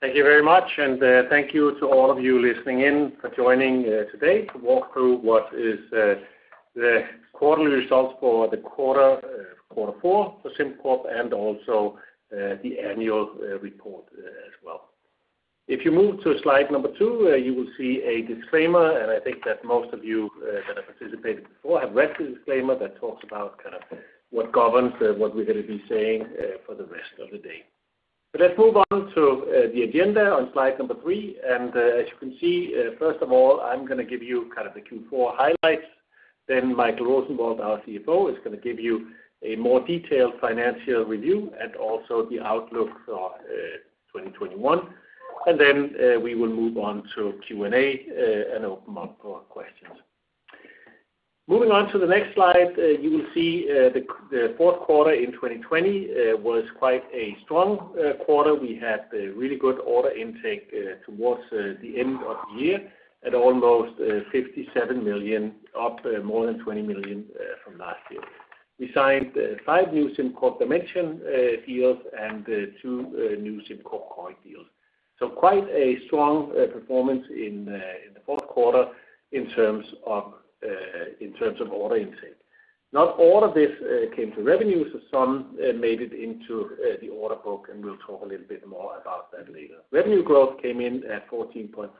Thank you very much. Thank you to all of you listening in for joining today to walk through what is the Quarterly Results for the Quarter Four for SimCorp. Also, the annual report as well. If you move to slide number two, you will see a disclaimer. I think that most of you that have participated before have read the disclaimer that talks about kind of what governs what we're going to be saying for the rest of the day. Let's move on to the agenda on slide number three. As you can see, first of all, I'm going to give you the Q4 highlights. Michael Rosenvold, our CFO, is going to give you a more detailed financial review. Also the outlook for 2021. Then we will move on to Q&A. Open up for questions. Moving on to the next slide, you will see the fourth quarter in 2020 was quite a strong quarter. We had really good order intake towards the end of the year at almost 57 million, up more than 20 million from last year. We signed five new SimCorp Dimension deals and two new SimCorp Coric deals. Quite a strong performance in the fourth quarter in terms of order intake. Not all of this came to revenues. Some made it into the order book, and we'll talk a little bit more about that later. Revenue growth came in at 14.3%.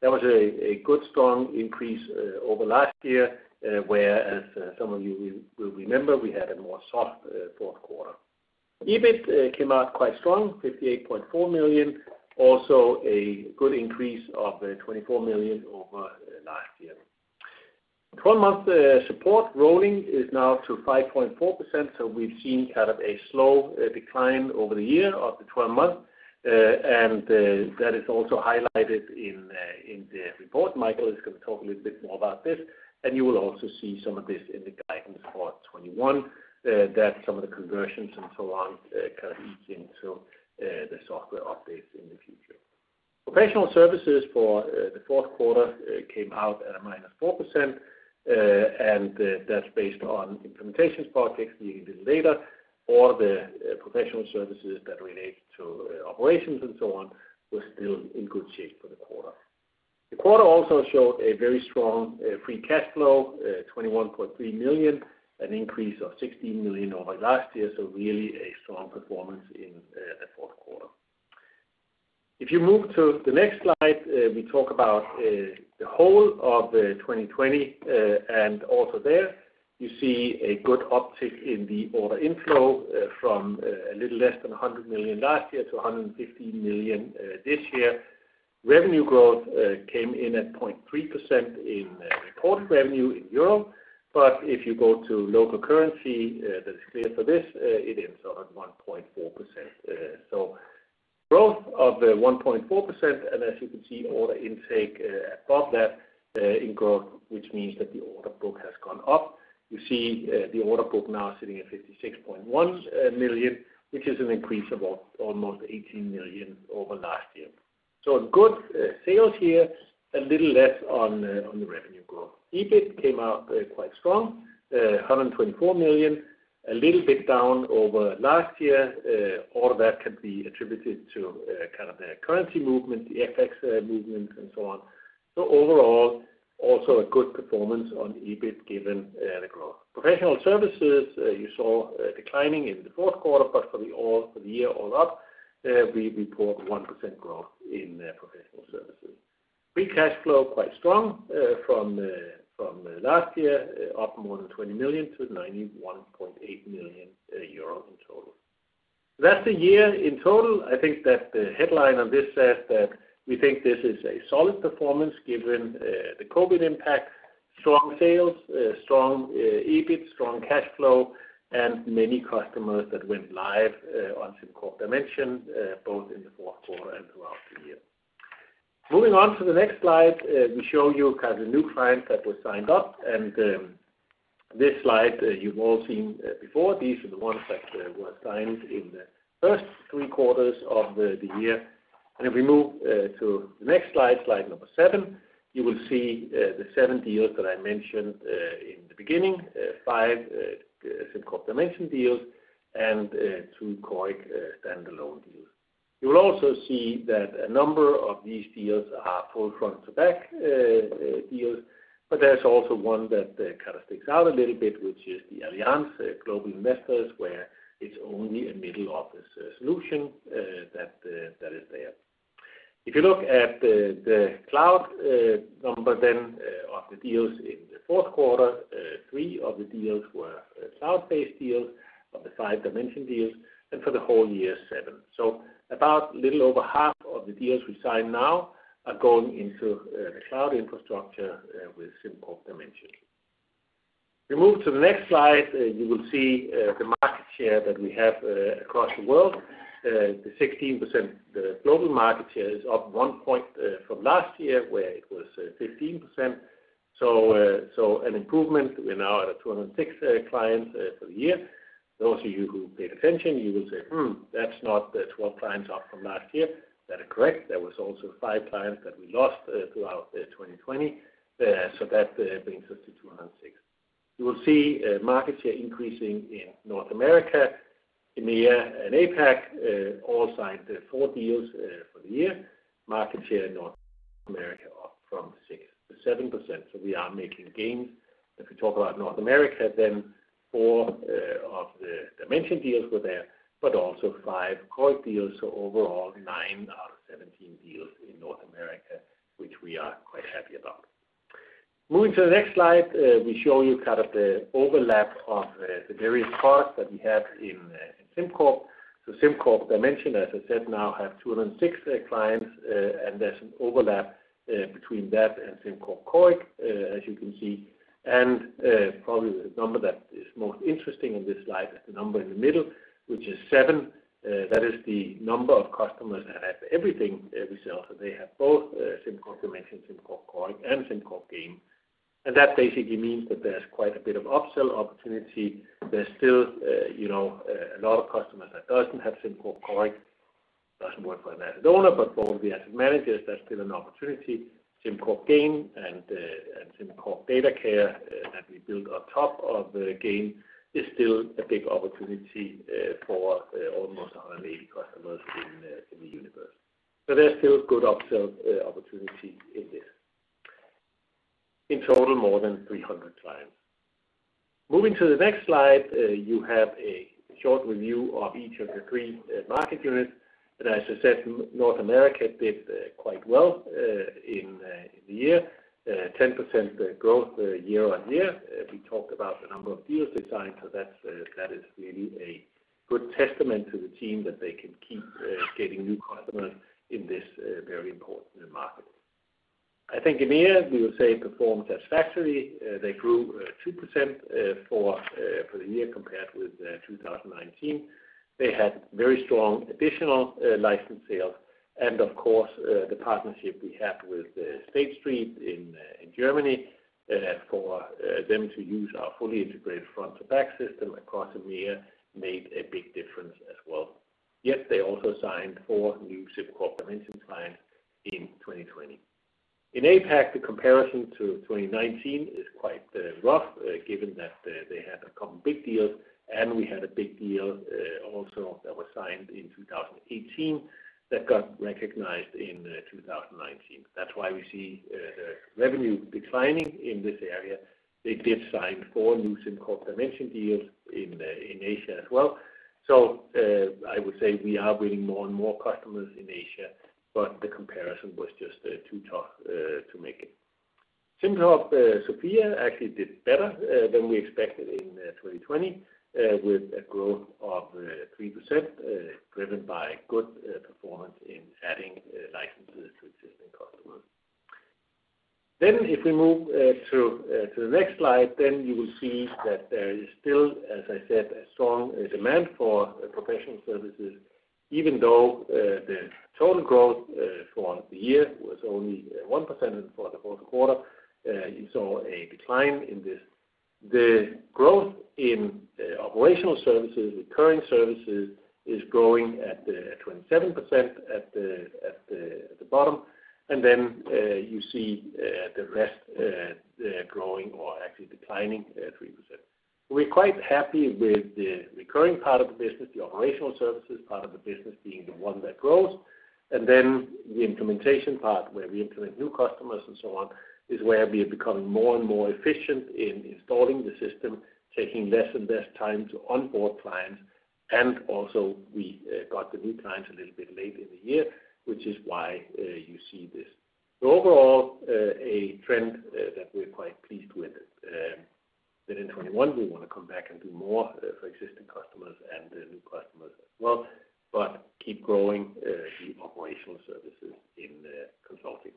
That was a good, strong increase over last year, where, as some of you will remember, we had a more soft fourth quarter. EBIT came out quite strong, 58.4 million. Also, a good increase of 24 million over last year. 12-month support rolling is now to 5.4%. We've seen kind of a slow decline over the year of the 12 months. That is also highlighted in the report. Michael is going to talk a little bit more about this. You will also see some of this in the guidance for 2021, that some of the conversions and so on kind of feed into the software updates in the future. Professional services for the fourth quarter came out at a -4%. That's based on implementations projects being delivered. All the professional services that relate to operations and so on, we're still in good shape for the quarter. The quarter also showed a very strong free cash flow, 21.3 million, an increase of 16 million over last year. Really a strong performance in the fourth quarter. If you move to the next slide, we talk about the whole of 2020. Also, there you see a good uptick in the order inflow from a little less than 100 million last year to 115 million this year. Revenue growth came in at 0.3% in reported revenue in euro. If you go to local currency, that is clear for this, it ends up at 1.4%. Growth of the 1.4%, and as you can see, order intake above that in growth, which means that the order book has gone up. You see the order book now sitting at 56.1 million, which is an increase of almost 18 million over last year. Good sales here, a little less on the revenue growth. EBIT came out quite strong, 124 million, a little bit down over last year. All of that can be attributed to kind of the currency movement, the FX movement, and so on. Overall, also a good performance on EBIT given the growth. Professional services you saw declining in the fourth quarter, for the year, all up, we report 1% growth in professional services. Free cash flow quite strong from last year, up more than 20 million to 91.8 million euros in total. That's the year in total. I think that the headline on this says that we think this is a solid performance given the COVID-19 impact. Strong sales, strong EBIT, strong cash flow, many customers that went live on SimCorp Dimension, both in the fourth quarter and throughout the year. Moving on to the next slide, we show you kind of new clients that were signed up. This slide you've all seen before. These are the ones that were signed in the first three quarters of the year. If we move to the next slide number seven, you will see the seven deals that I mentioned in the beginning. five SimCorp Dimension deals and two Coric standalone deals. You will also see that a number of these deals are full front to back deals, but there's also one that kind of sticks out a little bit, which is the Allianz Global Investors, where it's only a middle-office solution that is there. If you look at the cloud number then of the deals in the fourth quarter, three of the deals were cloud-based deals of the five Dimension deals, and for the whole year, seven. About little over half of the deals we sign now are going into the cloud infrastructure with SimCorp Dimension. We move to the next slide. You will see the market share that we have across the world. The 16% global market share is up one point from last year where it was 15%. An improvement. We're now at 206 clients for the year. Those of you who paid attention, you will say, "Hmm, that's not 12 clients up from last year." That is correct. There was also five clients that we lost throughout 2020. That brings us to 206. You will see market share increasing in North America, EMEA, and APAC. All signed four deals for the year. Market share in North America up from 6%-7%, we are making gains. If we talk about North America, four of the SimCorp Dimension deals were there, also five SimCorp Coric deals. Overall, nine out of 17 deals in North America, which we are quite happy about. Moving to the next slide, we show you the overlap of the various parts that we have in SimCorp. SimCorp Dimension, as I said, now have 206 clients, and there's an overlap between that and SimCorp Coric, as you can see. Probably the number that is most interesting in this slide is the number in the middle, which is seven. That is the number of customers that have everything we sell. They have both SimCorp Dimension, SimCorp Coric, and SimCorp Gain. That basically means that there's quite a bit of upsell opportunity. There's still a lot of customers that doesn't have SimCorp Coric. Doesn't work for an asset owner, but for all the asset managers, that's still an opportunity. SimCorp Gain and SimCorp DataCare that we built on top of Gain is still a big opportunity for almost 180 customers in the universe. There's still good upsell opportunity in this. In total, more than 300 clients. Moving to the next slide, you have a short review of each of the three market units. As I said, North America did quite well in the year. 10% growth year-on-year. We talked about the number of deals they signed, so that is really a good testament to the team that they can keep getting new customers in this very important market. I think EMEA, we will say, performed satisfactory. They grew 2% for the year compared with 2019. They had very strong additional license sales. Of course, the partnership we have with State Street in Germany for them to use our fully integrated front to back system across EMEA made a big difference as well. Yet they also signed four new SimCorp Dimension clients in 2020. In APAC, the comparison to 2019 is quite rough, given that they had a couple big deals and we had a big deal also that was signed in 2018 that got recognized in 2019. That's why we see revenue declining in this area. They did sign four new SimCorp Dimension deals in Asia as well. I would say we are bringing more and more customers in Asia, but the comparison was just too tough to make it. SimCorp Sofia actually did better than we expected in 2020, with a growth of 3%, driven by good performance in adding licenses to existing customers. If we move to the next slide, you will see that there is still, as I said, a strong demand for professional services, even though the total growth for the year was only 1% for the fourth quarter. You saw a decline in this. The growth in operational services, recurring services, is growing at 27% at the bottom. You see the rest growing or actually declining at 3%. We're quite happy with the recurring part of the business, the operational services part of the business being the one that grows. The implementation part, where we implement new customers and so on, is where we are becoming more and more efficient in installing the system, taking less and less time to onboard clients. Also we got the new clients a little bit late in the year, which is why you see this. Overall, a trend that we're quite pleased with. In 2021, we want to come back and do more for existing customers and the new customers as well, but keep growing the operational services in consulting.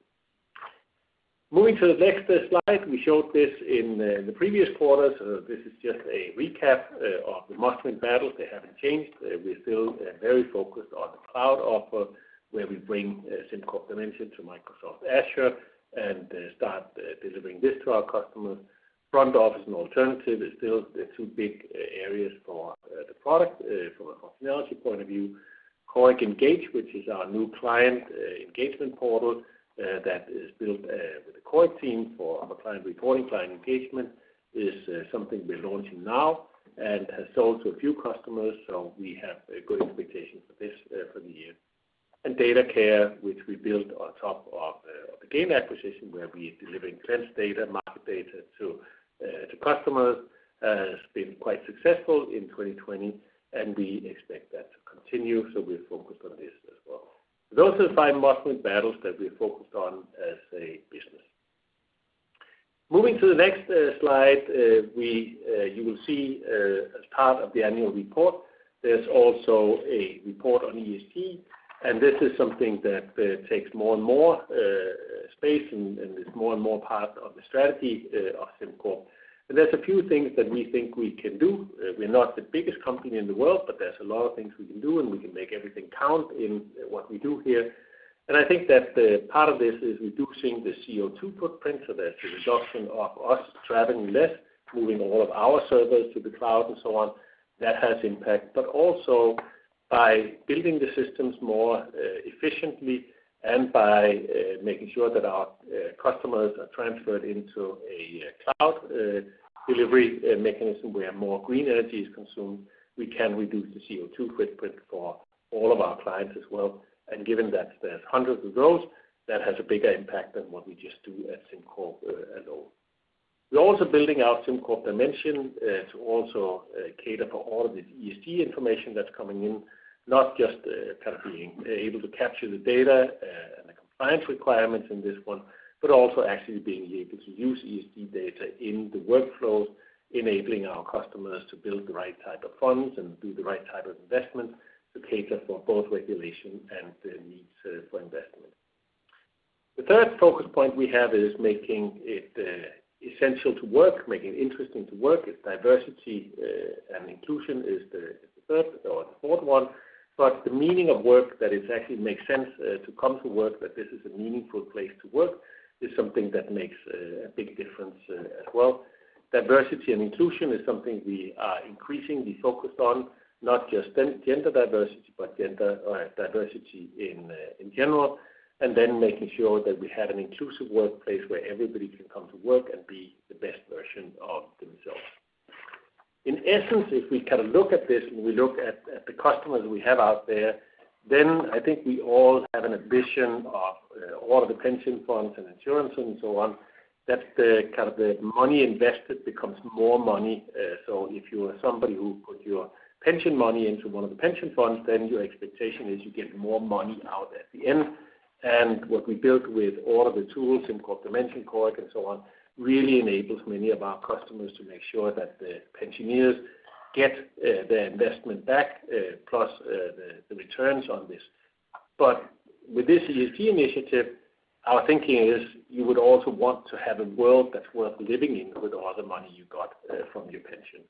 Moving to the next slide. We showed this in the previous quarters. This is just a recap of the must-win battles. They haven't changed. We're still very focused on the cloud offer, where we bring SimCorp Dimension to Microsoft Azure and start delivering this to our customers. Front office and alternative is still the two big areas for the product from a functionality point of view. Coric Engage, which is our new client engagement portal that is built with the Coric team for our client reporting, client engagement, is something we're launching now and has sold to a few customers, so we have good expectations for this for the year. DataCare, which we built on top of the Gain acquisition, where we are delivering cleanse data, market data to customers, has been quite successful in 2020, and we expect that to continue, so we're focused on this as well. Those are the five must-win battles that we're focused on as a business. Moving to the next slide, you will see as part of the annual report, there's also a report on ESG. This is something that takes more and more space and is more and more part of the strategy of SimCorp. There's a few things that we think we can do. We're not the biggest company in the world, but there's a lot of things we can do, and we can make everything count in what we do here. I think that part of this is reducing the CO2 footprint, so there's a reduction of us traveling less, moving all of our servers to the cloud and so on. That has impact. Also by building the systems more efficiently and by making sure that our customers are transferred into a cloud delivery mechanism where more green energy is consumed, we can reduce the CO2 footprint for all of our clients as well. Given that there's hundreds of those, that has a bigger impact than what we just do at SimCorp alone. We're also building out SimCorp Dimension to also cater for all of the ESG information that's coming in, not just being able to capture the data and the compliance requirements in this one, but also actually being able to use ESG data in the workflows, enabling our customers to build the right type of funds and do the right type of investment to cater for both regulation and the needs for investment. The third focus point we have is making it essential to work, making it interesting to work, it's diversity and inclusion is the fourth one, but the meaning of work, that it actually makes sense to come to work, that this is a meaningful place to work, is something that makes a big difference as well. Diversity and inclusion is something we are increasingly focused on, not just gender diversity, but diversity in general. Making sure that we have an inclusive workplace where everybody can come to work and be the best version of themselves. In essence, if we look at this and we look at the customers we have out there, then I think we all have an ambition of all of the pension funds and insurance and so on. That the money invested becomes more money. If you are somebody who put your pension money into one of the pension funds, then your expectation is you get more money out at the end. What we built with all of the tools, SimCorp Dimension, Coric, and so on, really enables many of our customers to make sure that the pensioners get their investment back, plus the returns on this. With this ESG initiative, our thinking is you would also want to have a world that's worth living in with all the money you got from your pension.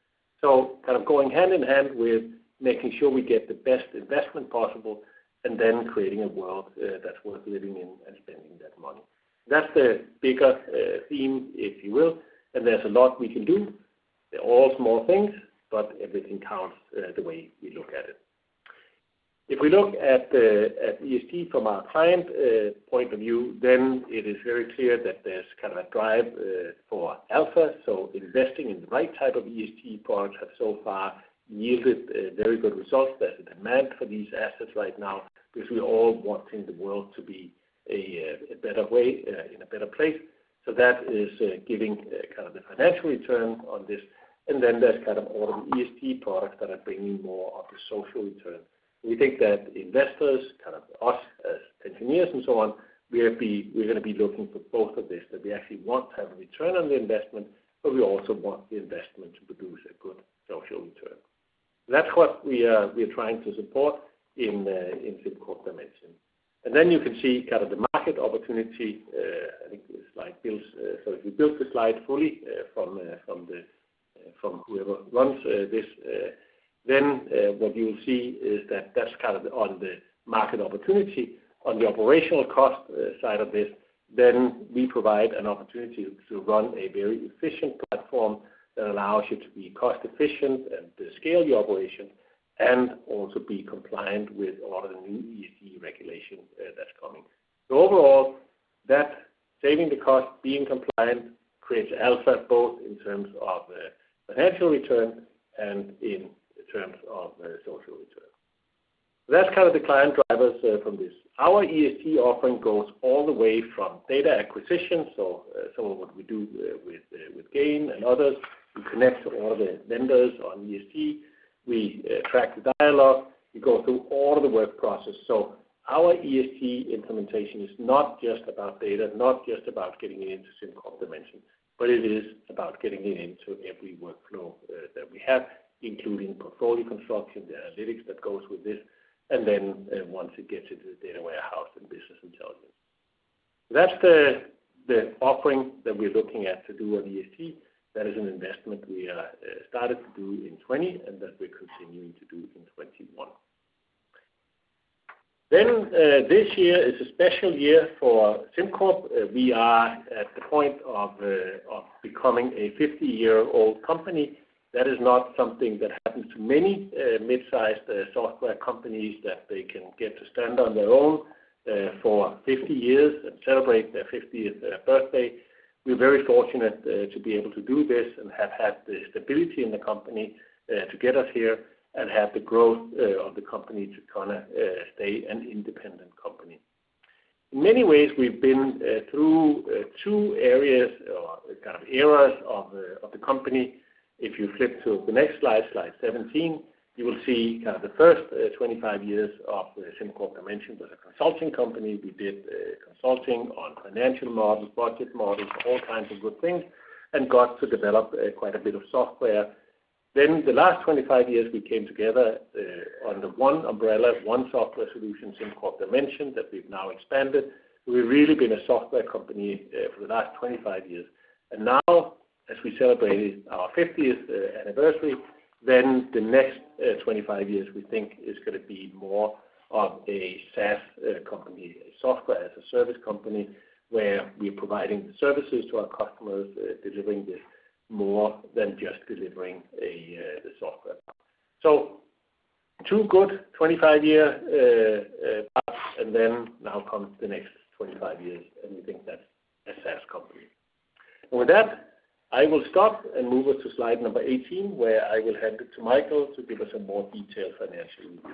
Going hand-in-hand with making sure we get the best investment possible and then creating a world that's worth living in and spending that money. That's the bigger theme, if you will. There's a lot we can do. They're all small things, but everything counts the way we look at it. If we look at ESG from our client point of view, then it is very clear that there's a drive for alpha. Investing in the right type of ESG products has so far yielded very good results. There's a demand for these assets right now because we all want the world to be in a better place. That is giving the financial return on this, and then there's all the ESG products that are bringing more of the social return. We think that investors, us as engineers and so on, we're going to be looking for both of this, that we actually want to have a return on the investment, but we also want the investment to produce a good social return. That's what we're trying to support in SimCorp Dimension. Then you can see the market opportunity. I think this slide builds. If you build the slide fully from whoever runs this, then what you'll see is that that's on the market opportunity. On the operational cost side of this, then we provide an opportunity to run a very efficient platform that allows you to be cost-efficient and to scale your operation, and also be compliant with all of the new ESG regulation that's coming. Overall, that saving the cost, being compliant creates alpha both in terms of the financial return and in terms of social return. That's the client drivers from this. Our ESG offering goes all the way from data acquisition. Some of what we do with Gain and others, we connect to all the vendors on ESG. We track the dialogue; we go through all the work processes. So, our ESG implementation is not just about data, not just about getting it into SimCorp Dimension, but it is about getting it into every workflow that we have, including portfolio construction, the analytics that goes with this, and then once it gets into the data warehouse and business intelligence. That's the offering that we're looking at to do on ESG. That is an investment we started to do in 2020, and that we're continuing to do in 2021. This year is a special year for SimCorp. We are at the point of becoming a 50-year-old company. That is not something that happens to many mid-sized software companies, that they can get to stand on their own for 50 years and celebrate their 50th birthday. We're very fortunate to be able to do this and have had the stability in the company to get us here and have the growth of the company to stay an independent company. In many ways, we've been through two areas or eras of the company. If you flip to the next slide 17, you will see the first 25 years of SimCorp Dimension was a consulting company. We did consulting on financial models, budget models, all kinds of good things, and got to develop quite a bit of software. The last 25 years, we came together under one umbrella, one software solution, SimCorp Dimension, that we've now expanded. We've really been a software company for the last 25 years. Now, as we celebrate our 50th anniversary, then the next 25 years, we think, is going to be more of a SaaS company, a Software as a Service company, where we're providing services to our customers, delivering this more than just delivering the software. Two good 25-year paths, and then now comes the next 25 years, and we think that's a SaaS company. With that, I will stop and move us to slide number 18, where I will hand it to Michael to give us a more detailed financial review.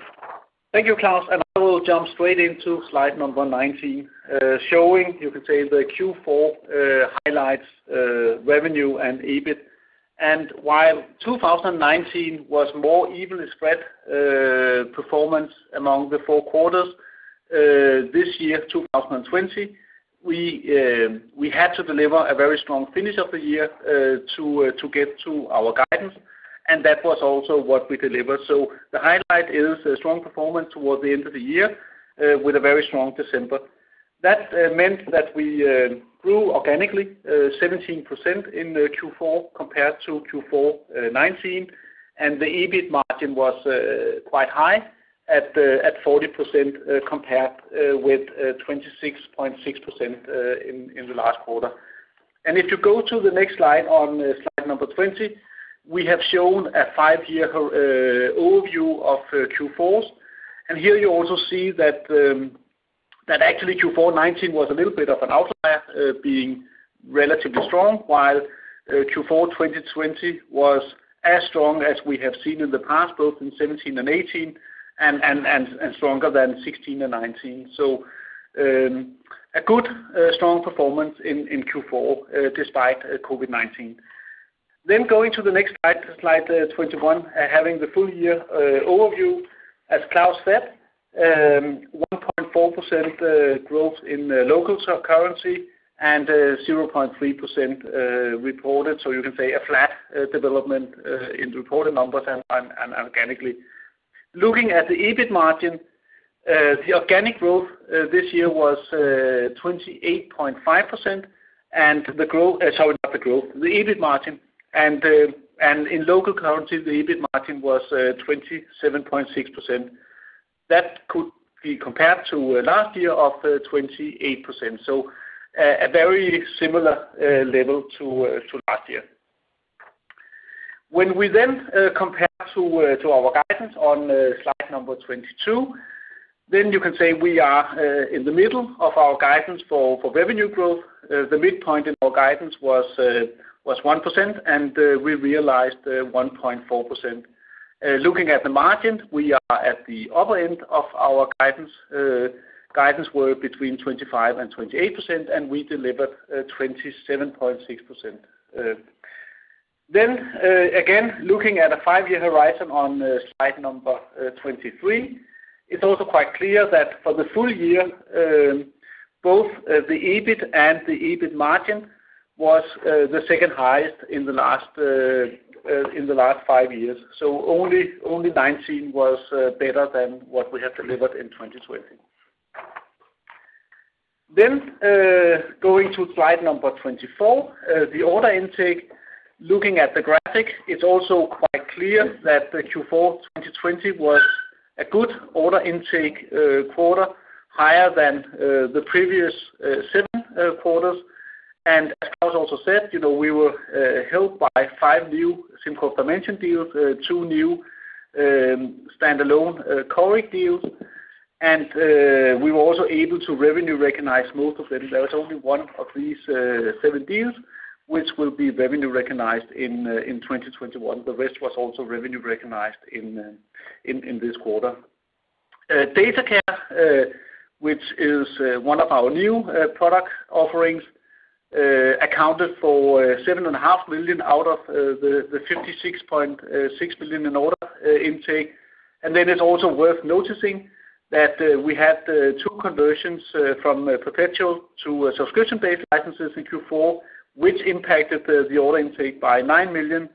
Thank you, Klaus. I will jump straight into slide number 19, showing you can say the Q4 highlights, revenue and EBIT. While 2019 was more evenly spread performance among the four quarters, this year, 2020, we had to deliver a very strong finish of the year to get to our guidance. That was also what we delivered. The highlight is a strong performance toward the end of the year, with a very strong December. That meant that we grew organically 17% in Q4 compared to Q4 2019, and the EBIT margin was quite high at 40%, compared with 26.6% in the last quarter. If you go to the next slide, on slide number 20, we have shown a five-year overview of Q4s. Here you also see that actually Q4 2019 was a little bit of an outlier, being relatively strong, while Q4 2020 was as strong as we have seen in the past, both in 2017 and 2018, and stronger than 2016 and 2019. A good, strong performance in Q4, despite COVID-19. Going to the next slide 21, having the full year overview. As Klaus said, 1.4% growth in local currency and 0.3% reported, so you can say a flat development in reported numbers and organically. Looking at the EBIT margin, the organic growth this year was 28.5%. Sorry, not the growth, the EBIT margin. In local currency, the EBIT margin was 27.6%. That could be compared to last year of 28%, so a very similar level to last year. When we then compare to our guidance on slide number 22, then you can say we are in the middle of our guidance for revenue growth. The midpoint in our guidance was 1%, and we realized 1.4%. Looking at the margin, we are at the upper end of our guidance. Guidance were between 25% and 28%, and we delivered 27.6%. Again, looking at a five-year horizon on slide number 23, it's also quite clear that for the full year, both the EBIT and the EBIT margin was the second highest in the last five years. Only 2019 was better than what we have delivered in 2020. Going to slide number 24, the order intake, looking at the graphic, it's also quite clear that the Q4 2020 was a good order intake quarter, higher than the previous seven quarters. As Klaus also said, we were helped by five new SimCorp Dimension deals, two new standalone Coric deals, and we were also able to revenue recognize most of them. There was only one of these seven deals which will be revenue recognized in 2021. The rest was also revenue recognized in this quarter. DataCare, which is one of our new product offerings, accounted for 7.5 million out of the 56.6 million in order intake. It's also worth noticing that we had two conversions from perpetual to subscription-based licenses in Q4, which impacted the order intake by 9 million.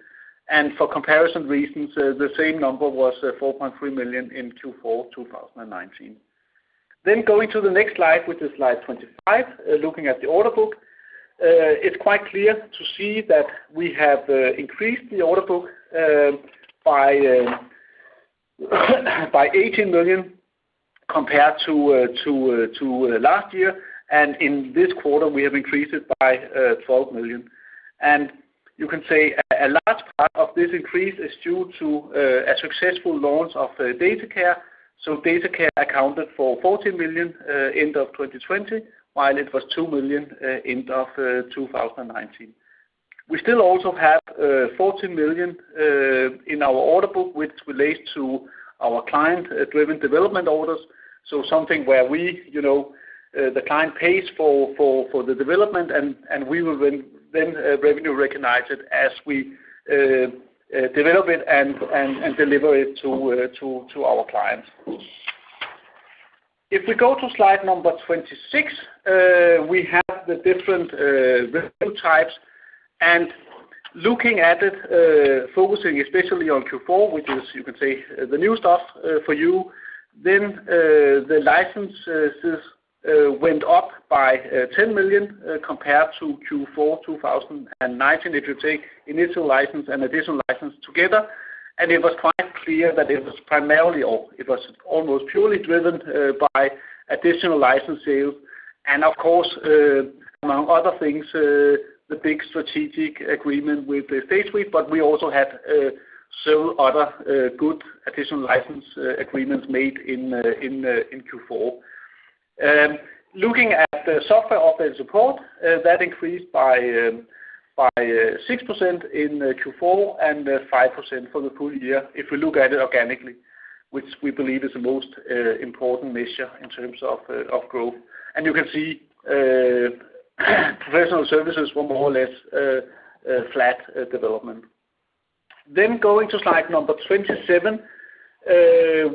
For comparison reasons, the same number was 4.3 million in Q4 2019. Going to the next slide, which is slide 25, looking at the order book. It is quite clear to see that we have increased the order book by 18 million compared to last year. In this quarter, we have increased it by 12 million. You can say a large part of this increase is due to a successful launch of DataCare. DataCare accounted for 14 million end of 2020, while it was 2 million end of 2019. We still also have 14 million in our order book, which relates to our Client-Driven Development orders. Something where the client pays for the development, we will then revenue recognize it as we develop it and deliver it to our clients. If we go to slide number 26, we have the different revenue types looking at it, focusing especially on Q4, which is you can say the new stuff for you. The licenses went up by 10 million compared to Q4 2019 if you take initial license and additional license together, and it was quite clear that it was almost purely driven by additional license sales. Of course, among other things, the big strategic agreement with State Street, but we also had several other good additional license agreements made in Q4. Looking at the software update support, that increased by 6% in Q4 and 5% for the full year, if we look at it organically, which we believe is the most important measure in terms of growth. You can see, professional services were more or less a flat development. Going to slide number 27,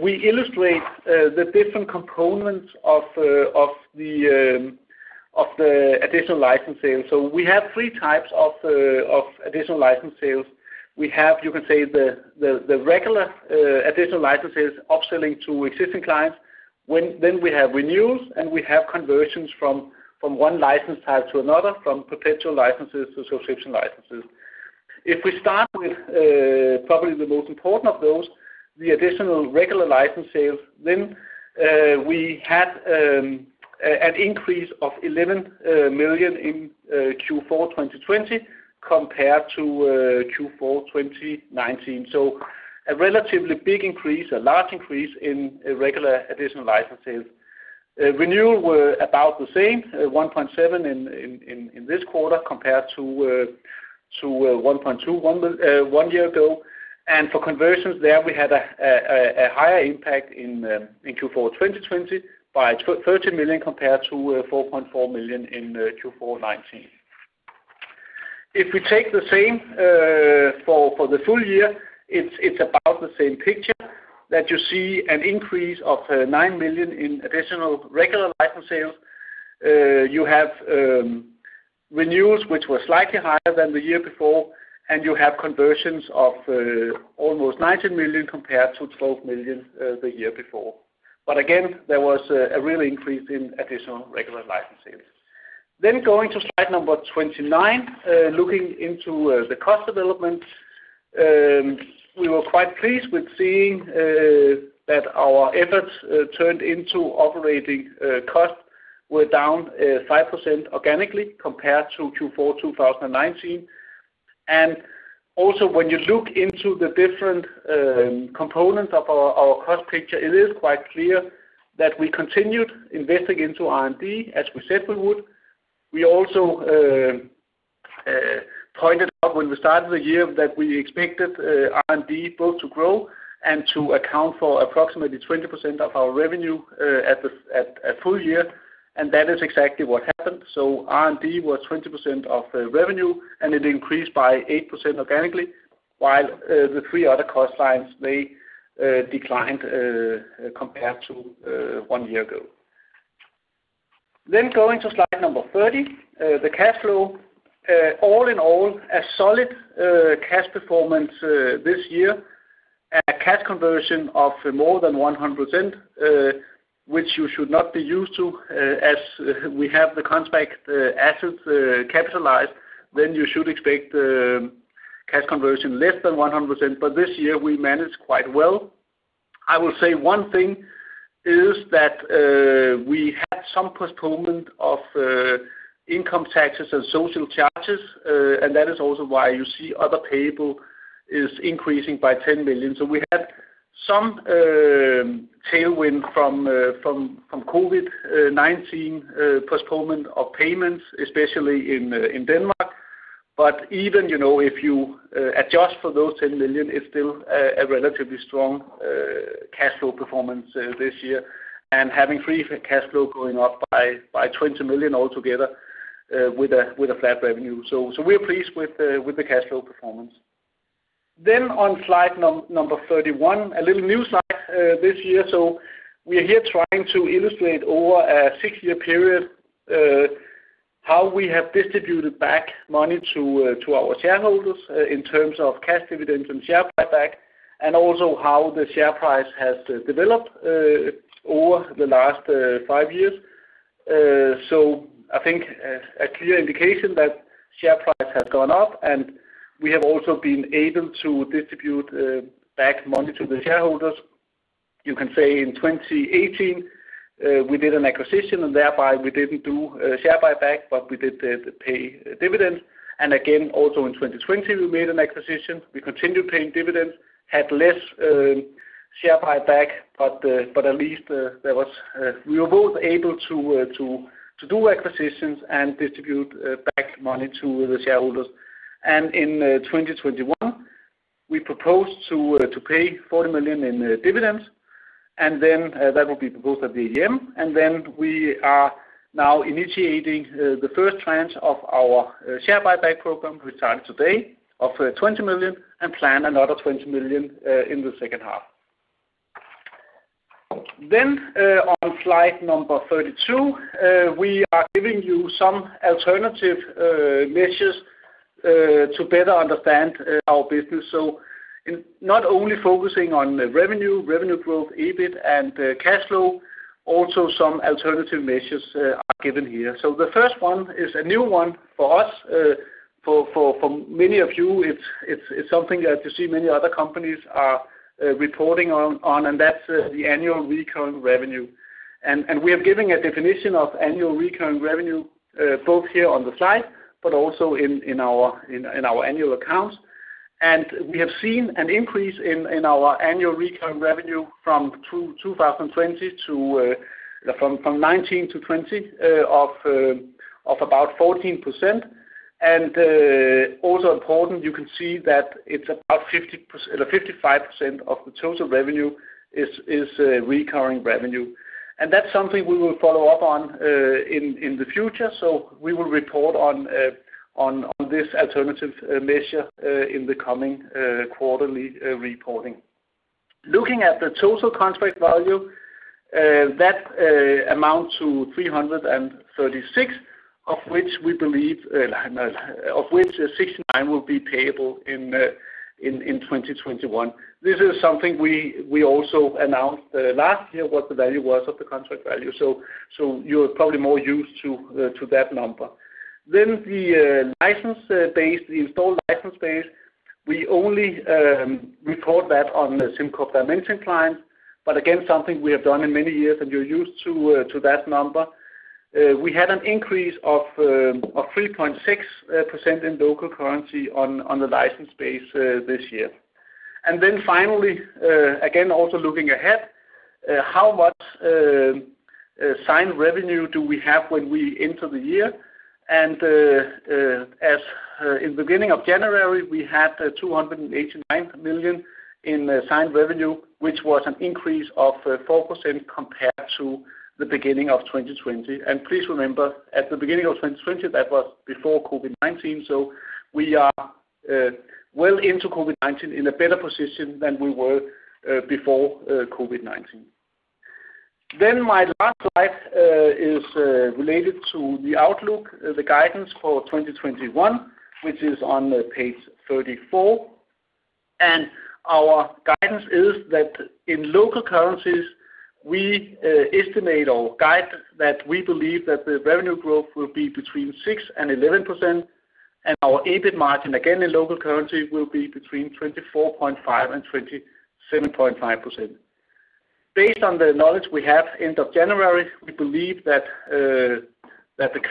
we illustrate the different components of the additional license sales. We have three types of additional license sales. We have, you can say, the regular additional licenses upselling to existing clients. We have renewals, and we have conversions from one license type to another, from perpetual licenses to subscription licenses. If we start with probably the most important of those, the additional regular license sales, we had an increase of 11 million in Q4 2020 compared to Q4 2019. A relatively big increase, a large increase in regular additional license sales. Renewal were about the same, 1.7 in this quarter compared to 1.2 one year ago. For conversions there, we had a higher impact in Q4 2020 by 13 million compared to 4.4 million in Q4 2019. If we take the same for the full year, it's about the same picture, that you see an increase of 9 million in additional regular license sales. You have renewals, which were slightly higher than the year before, and you have conversions of almost 19 million compared to 12 million the year before. Again, there was a real increase in additional regular license sales. Going to slide number 29, looking into the cost development. We were quite pleased with seeing that our efforts turned into operating costs were down 5% organically compared to Q4 2019. Also when you look into the different components of our cost picture, it is quite clear that we continued investing into R&D as we said we would. We also pointed out when we started the year that we expected R&D both to grow and to account for approximately 20% of our revenue at full year, and that is exactly what happened. R&D was 20% of the revenue, it increased by 8% organically, while the three other cost lines, they declined compared to one year ago. Going to slide number 30, the cash flow. All in all, a solid cash performance this year. A cash conversion of more than 100%, which you should not be used to, as we have the contract assets capitalized, then you should expect cash conversion less than 100%, but this year we managed quite well. I will say one thing is that we had some postponement of income taxes and social charges, and that is also why you see other payable is increasing by 10 million. We had some tailwind from COVID-19 postponement of payments, especially in Denmark. Even, if you adjust for those 10 million, it's still a relatively strong cash flow performance this year. Having free cash flow going up by 20 million altogether, with a flat revenue. We are pleased with the cash flow performance. On slide number 31, a little new slide this year. We are here trying to illustrate over a six-year period how we have distributed back money to our shareholders in terms of cash dividends and share buyback, and also how the share price has developed over the last five years. I think a clear indication that share price has gone up, and we have also been able to distribute back money to the shareholders. You can say in 2018, we did an acquisition, and thereby we didn't do a share buyback, but we did pay dividends. Again, also in 2020, we made an acquisition. We continued paying dividends, had less share buyback. At least we were both able to do acquisitions and distribute back money to the shareholders. In 2021, we proposed to pay 40 million in dividends, and then that will be proposed at the AGM. We are now initiating the first tranche of our share buyback program, which started today, of 20 million, and plan another 20 million in the second half. On slide number 32, we are giving you some alternative measures to better understand our business. In not only focusing on revenue growth, EBIT, and cash flow, also some alternative measures are given here. The first one is a new one for us. For many of you, it's something that you see many other companies are reporting on, and that's the annual recurring revenue. We have given a definition of annual recurring revenue, both here on the slide but also in our annual accounts. We have seen an increase in our annual recurring revenue from 2019 to 2020 of about 14%. Also important, you can see that it's about 55% of the total revenue is recurring revenue. That's something we will follow up on in the future. We will report on this alternative measure in the coming quarterly reporting. Looking at the total contract value, that amounts to 336, of which 69 will be payable in 2021. This is something we also announced last year, what the value was of the contract value. You're probably more used to that number. The installed license base, we only report that on the SimCorp Dimension clients, but again, something we have done in many years, and you're used to that number. We had an increase of 3.6% in local currency on the license base this year. Finally, again, also looking ahead, how much signed revenue do we have when we enter the year? As in the beginning of January, we had 289 million in signed revenue, which was an increase of 4% compared to the beginning of 2020. Please remember, at the beginning of 2020, that was before COVID-19. We are well into COVID-19 in a better position than we were before COVID-19. My last slide is related to the outlook, the guidance for 2021, which is on page 34. Our guidance is that in local currencies, we estimate or guide that we believe that the revenue growth will be between 6%-11%, and our EBIT margin, again, in local currency, will be between 24.5%-27.5%. Based on the knowledge we have end of January; we believe that the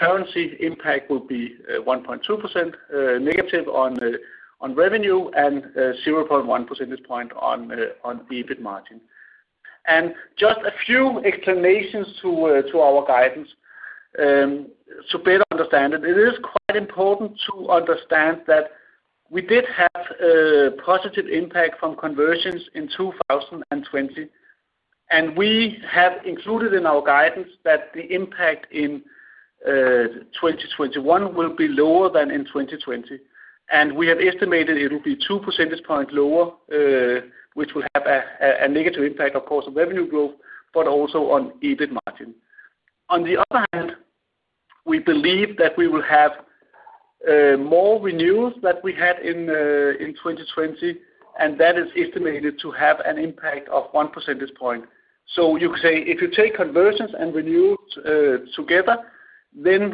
currency impact will be 1.2%- on revenue and 0.1 percentage point on EBIT margin. Just a few explanations to our guidance to better understand it. It is quite important to understand that we did have a positive impact from conversions in 2020, and we have included in our guidance that the impact in 2021 will be lower than in 2020. We have estimated it will be two percentage point lower, which will have a negative impact, of course, on revenue growth, but also on EBIT margin. On the other hand, we believe that we will have more renewals than we had in 2020, and that is estimated to have an impact of one percentage point. You could say, if you take conversions and renewals together,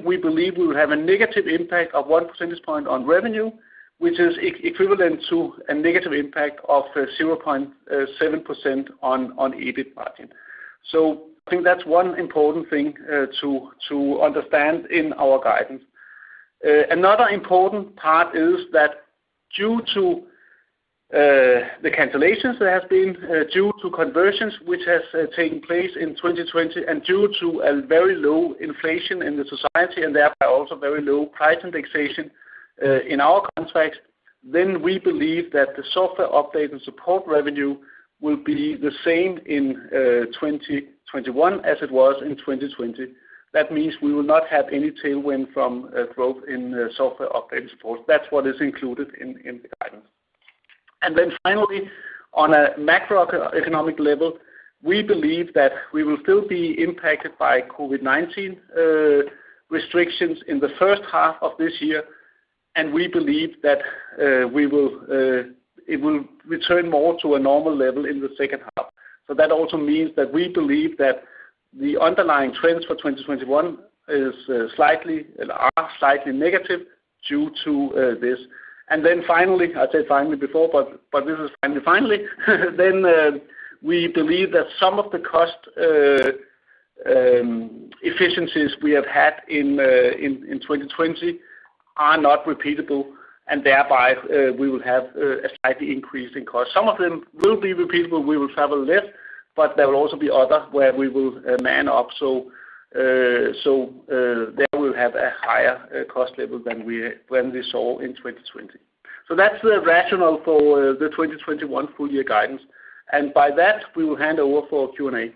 we believe we will have a negative impact of one percentage point on revenue, which is equivalent to a negative impact of 0.7% on EBIT margin. I think that's one important thing to understand in our guidance. Another important part is that due to the cancellations there have been, due to conversions which have taken place in 2020, and due to a very low inflation in the society and thereby also very low price indexation in our contracts, we believe that the software update and support revenue will be the same in 2021 as it was in 2020. That means we will not have any tailwind from growth in software update and support. That's what is included in the guidance. Finally, on a macroeconomic level, we believe that we will still be impacted by COVID-19 restrictions in the first half of this year, and we believe that it will return more to a normal level in the second half. That also means that we believe that the underlying trends for 2021 are slightly negative due to this. Finally, I said finally before, but this is finally, then we believe that some of the cost efficiencies we have had in 2020 are not repeatable, and thereby we will have a slightly increase in cost. Some of them will be repeatable, we will travel less, but there will also be other where we will man up, so there we'll have a higher cost level than we saw in 2020. That's the rationale for the 2021 full-year guidance. By that, we will hand over for Q&A.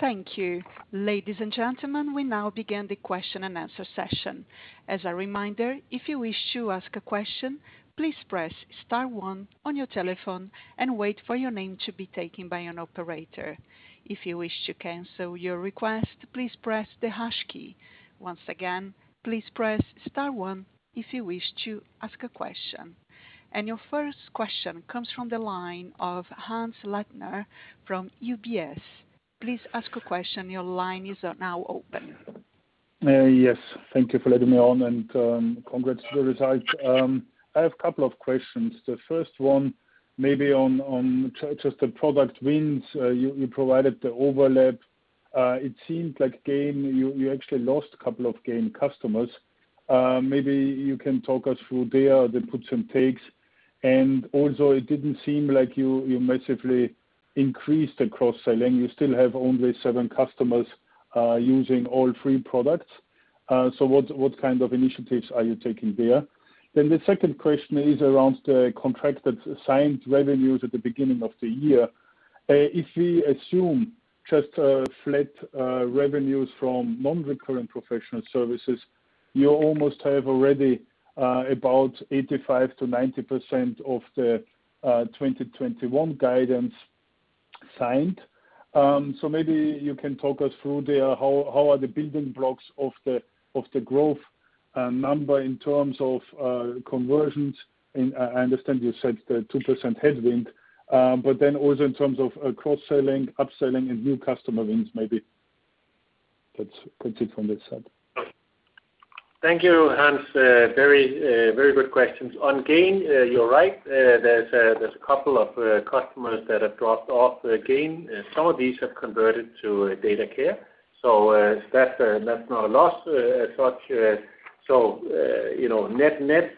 Thank you. Ladies and gentlemen, we now begin the question-and-answer session. As a reminder, if you wish to ask a question, please press star one on your telephone and wait for your name to be taken by an operator. If you wish to cancel your request, please press the hash key. Once again, please press star one if you wish to ask a question. Your first question comes from the line of Hannes Leitner from UBS. Please ask a question, your line is now open. Yes, thank you for letting me on, congrats on the results. I have a couple of questions. The first one, maybe on just the product wins. You provided the overlap. It seems like Gain, you actually lost a couple of Gain customers. Maybe you can talk us through there, the puts and takes. Although it didn't seem like you massively increased the cross-selling, you still have only seven customers using all three products. What kind of initiatives are you taking there? The second question is around the contracted signed revenues at the beginning of the year. If we assume just flat revenues from non-recurring professional services, you almost have already about 85%-90% of the 2021 guidance signed. Maybe you can talk us through there. How are the building blocks of the growth number in terms of conversions? I understand you said the 2% headwind. Also in terms of cross-selling, upselling, and new customer wins, maybe. That's it from this side. Thank you, Hannes. Very good questions. On Gain, you're right. There's a couple of customers that have dropped off Gain. Some of these have converted to DataCare, so that's not a loss as such. Net-net,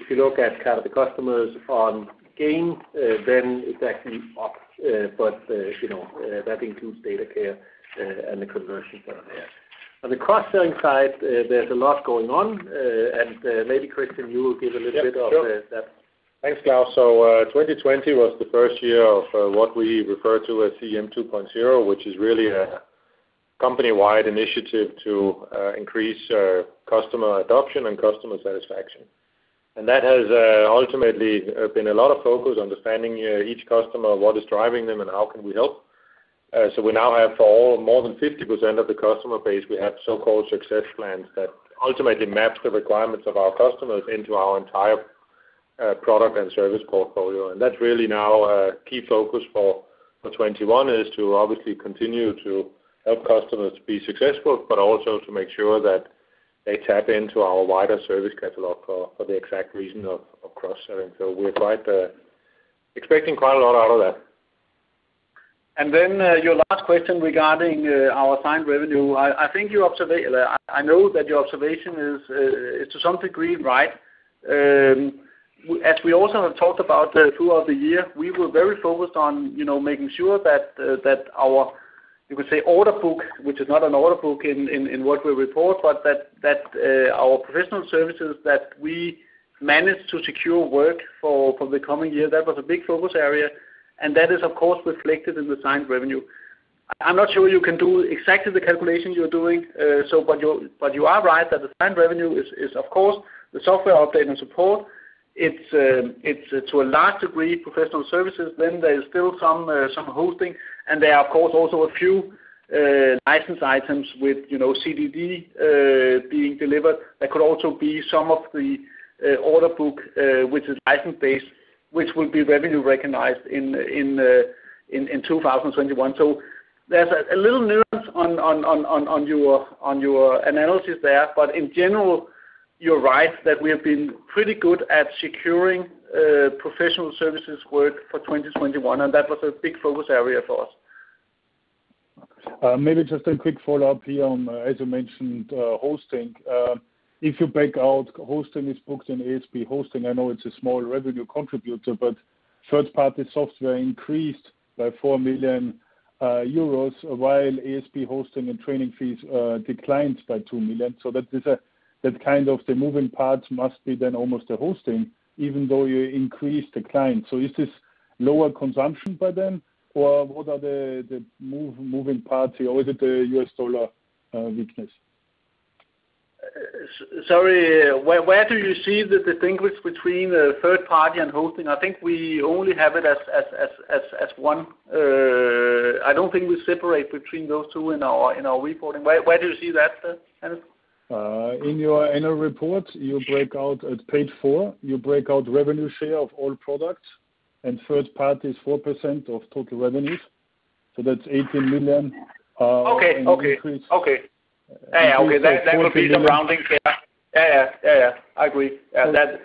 if you look at kind of the customers on Gain, then it's actually up. That includes DataCare and the conversions that are there. On the cross-selling side, there's a lot going on. Maybe Christian, you will give a little bit of that. Yeah, sure. Thanks, Klaus. 2020 was the first year of what we refer to as [EM 2.0], which is really a company-wide initiative to increase customer adoption and customer satisfaction. That has ultimately been a lot of focus, understanding each customer, what is driving them, and how can we help. We now have for more than 50% of the customer base, we have so-called success plans that ultimately map the requirements of our customers into our entire product and service portfolio. That's really now a key focus for 2021, is to obviously continue to help customers be successful, but also to make sure that they tap into our wider service catalog for the exact reason of cross-selling. We're expecting quite a lot out of that. Your last question regarding our signed revenue. I know that your observation is to some degree, right. As we also have talked about throughout the year, we were very focused on making sure that our, you could say order book, which is not an order book in what we report, but that our professional services that we managed to secure work for the coming year. That was a big focus area, and that is, of course, reflected in the signed revenue. I'm not sure you can do exactly the calculation you're doing. You are right that the signed revenue is, of course, the software update and support. It's to a large degree, professional services. There is still some hosting, and there are, of course, also a few license items with CDD being delivered. There could also be some of the order book which is license-based, which will be revenue recognized in 2021. There's a little nuance on your analysis there. In general, you're right that we have been pretty good at securing professional services work for 2021, and that was a big focus area for us. Maybe just a quick follow-up here on, as you mentioned, hosting. If you break out hosting, it's booked in ASP hosting. I know it's a small revenue contributor. Third-party software increased by 4 million euros, while ASP hosting and training fees declined by 2 million. That kind of the moving parts must be almost the hosting, even though you increased the client. Is this lower consumption by them, or what are the moving parts here? Is it the U.S. dollar weakness? Sorry, where do you see the distinguish between third party and hosting? I think we only have it as one. I don't think we separate between those two in our reporting. Where do you see that, Hannes? In your annual report, at page four, you break out revenue share of all products, and third party is 4% of total revenues, so that's 18 million. Okay. Yeah, okay. That would be some rounding. Yeah. I agree. I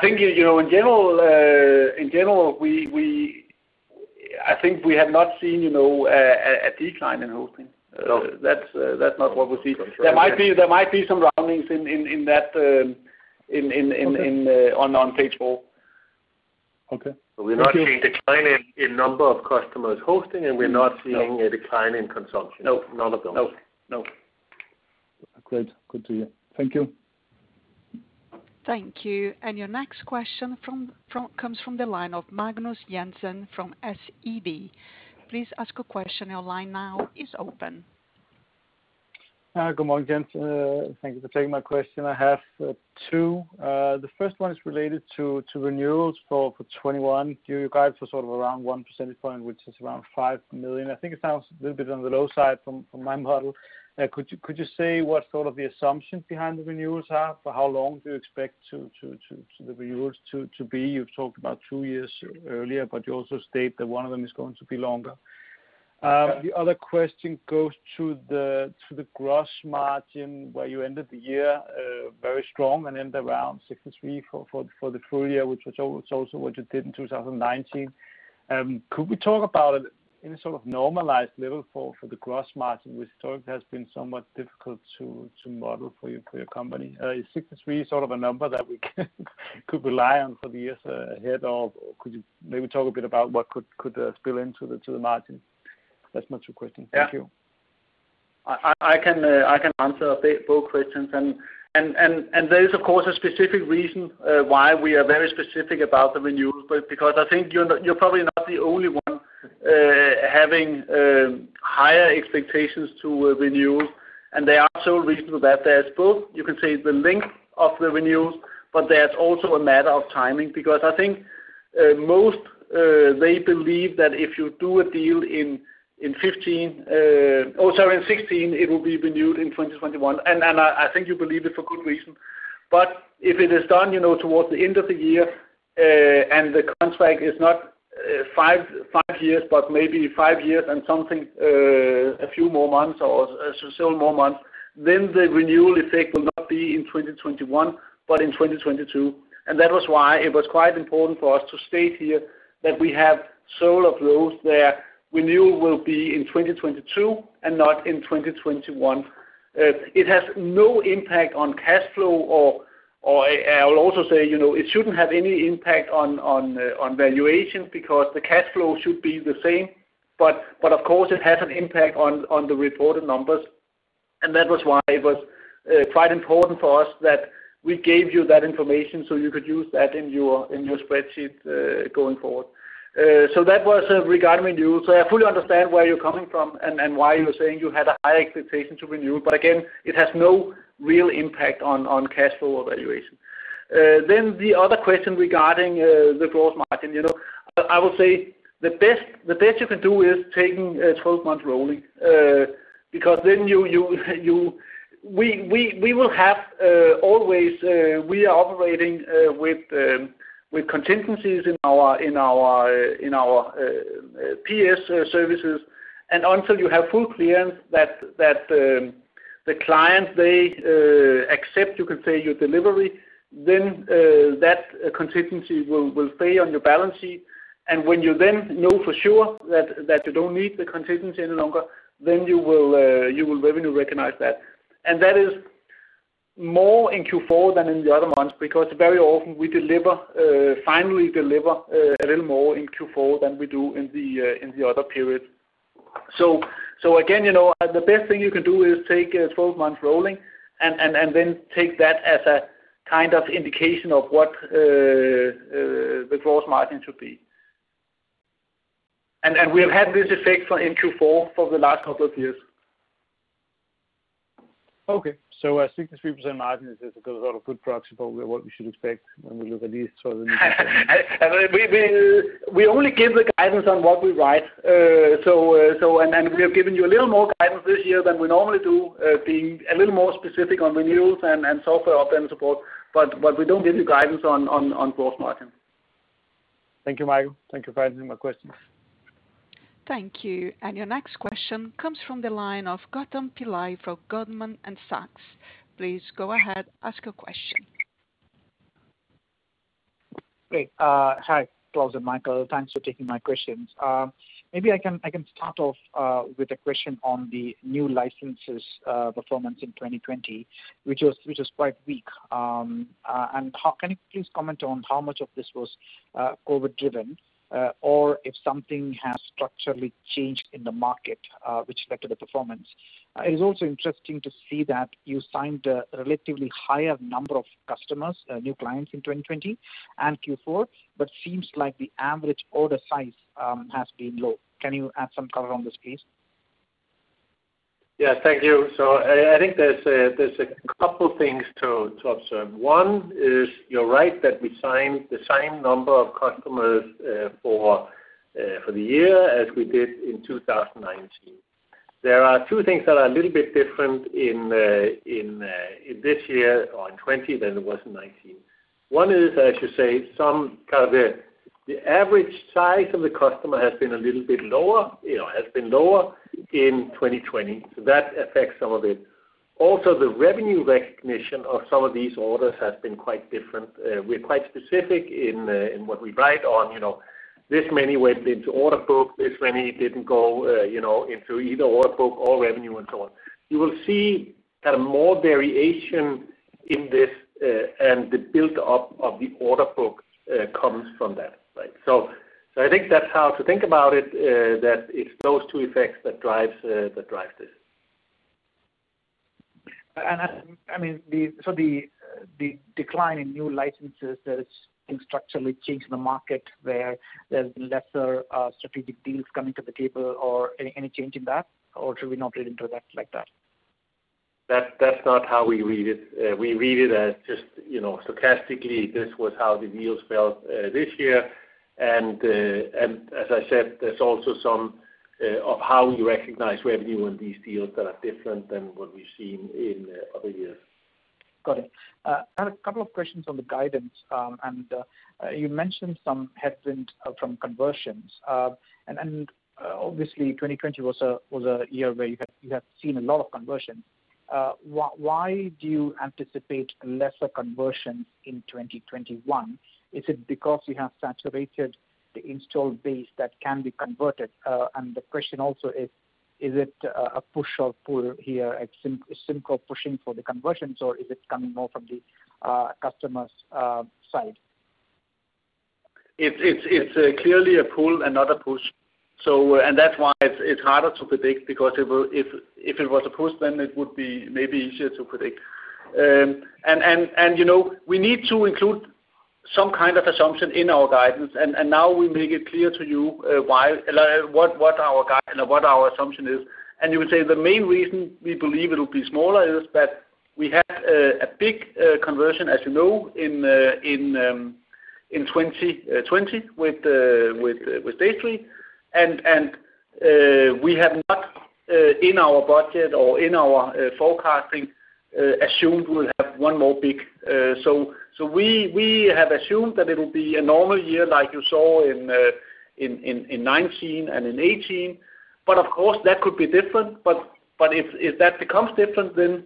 think in general, I think we have not seen a decline in hosting. No. That's not what we see. There might be some roundings on page four. Okay. Thank you. We're not seeing a decline in number of customers hosting, and we're not seeing a decline in consumption. No. None of those. No. Great. Good to hear. Thank you. Thank you. Your next question comes from the line of Magnus Jensen from SEB. Please ask your question. Your line now is open. Good morning, gents. Thank you for taking my question. I have two. The first one is related to renewals for 2021. You guys are sort of around one percentage point, which is around 5 million. I think it sounds a little bit on the low side from my model. Could you say what sort of the assumptions behind the renewals are? For how long do you expect the renewals to be? You've talked about two years earlier, you also state that one of them is going to be longer. The other question goes to the gross margin, where you ended the year very strong and end around 63% for the full year, which is also what you did in 2019. Could we talk about any sort of normalized level for the gross margin, which historically has been somewhat difficult to model for your company? Is 63 sort of a number that we could rely on for the years ahead, or could you maybe talk a bit about what could spill into the margin? That's my two questions. Thank you. I can answer both questions. There is, of course, a specific reason why we are very specific about the renewals, because I think you're probably not the only one having higher expectations to renewals, and there are several reasons for that. There's both, you could say the length of the renewals, but there's also a matter of timing, because I think most believe that if you do a deal in 2015 also in 2016, it will be renewed in 2021. I think you believe it for good reason. If it is done towards the end of the year, and the contract is not five years, but maybe five years and a few more months or several more months, then the renewal effect will not be in 2021, but in 2022. That was why it was quite important for us to state here that we have several of those where renewal will be in 2022 and not in 2021. It has no impact on cash flow, or I'll also say, it shouldn't have any impact on valuation because the cash flow should be the same. Of course, it has an impact on the reported numbers. That was why it was quite important for us that we gave you that information so you could use that in your spreadsheets going forward. That was regarding renewals. I fully understand where you're coming from and why you're saying you had a high expectation to renew. Again, it has no real impact on cash flow or valuation. The other question regarding the gross margin. I would say the best you can do is taking 12 months rolling. We are operating with contingencies in our PS services. Until you have full clearance that the clients accept, you could say, your delivery, then that contingency will stay on your balance sheet. When you know for sure that you don't need the contingency any longer, you will revenue recognize that. That is more in Q4 than in the other months, because very often we finally deliver a little more in Q4 than we do in the other periods. Again, the best thing you can do is take 12 months rolling, take that as a kind of indication of what the gross margin should be. We have had this effect in Q4 for the last couple of years. Okay. A 63% margin is a good proxy for what we should expect when we look at these. We only give the guidance on what we write. We have given you a little more guidance this year than we normally do, being a little more specific on renewals and software update and support. We don't give you guidance on gross margin. Thank you, Michael. Thank you for answering my questions. Thank you. Your next question comes from the line of Gautam Pillai from Goldman Sachs. Please go ahead, ask your question. Great. Hi, Klaus and Michael. Thanks for taking my questions. I can start off with a question on the new licenses performance in 2020, which was quite weak. Can you please comment on how much of this was COVID driven, or if something has structurally changed in the market, which affected the performance? It is also interesting to see that you signed a relatively higher number of customers, new clients in 2020 and Q4, but seems like the average order size has been low. Can you add some color on this, please? Thank you. I think there's a couple things to observe. One is you're right that we signed the same number of customers for the year as we did in 2019. There are two things that are a little bit different in this year, or in 2020 than it was in 2019. One is, I should say, the average size of the customer has been a little bit lower, has been lower in 2020. That affects some of it. Also, the revenue recognition of some of these orders has been quite different. We're quite specific in what we write on this many went into order book, this many didn't go into either order book or revenue, and so on. You will see more variation in this, and the buildup of the order book comes from that. I think that's how to think about it, that it's those two effects that drive this. The decline in new licenses, that it's structurally changed the market where there's been lesser strategic deals coming to the table or any change in that, or should we not read into that like that? That's not how we read it. We read it as just stochastically, this was how the deals felt this year. As I said, there's also some of how you recognize revenue in these deals that are different than what we've seen in other years. Got it. I have a couple of questions on the guidance. You mentioned some headroom from conversions. Obviously 2020 was a year where you have seen a lot of conversion. Why do you anticipate lesser conversion in 2021? Is it because you have saturated the install base that can be converted? The question also is: Is it a push or pull here? Is SimCorp pushing for the conversions, or is it coming more from the customer's side? It's clearly a pull and not a push. That's why it's harder to predict, because if it was a push, then it would be maybe easier to predict. We need to include some kind of assumption in our guidance, and now we make it clear to you what our assumption is. You would say the main reason we believe it'll be smaller is that we had a big conversion, as you know, in 2020 with B3. We have not, in our budget or in our forecasting, assumed we'll have one more big. We have assumed that it'll be a normal year like you saw in 2019 and in 2018. Of course, that could be different. If that becomes different, then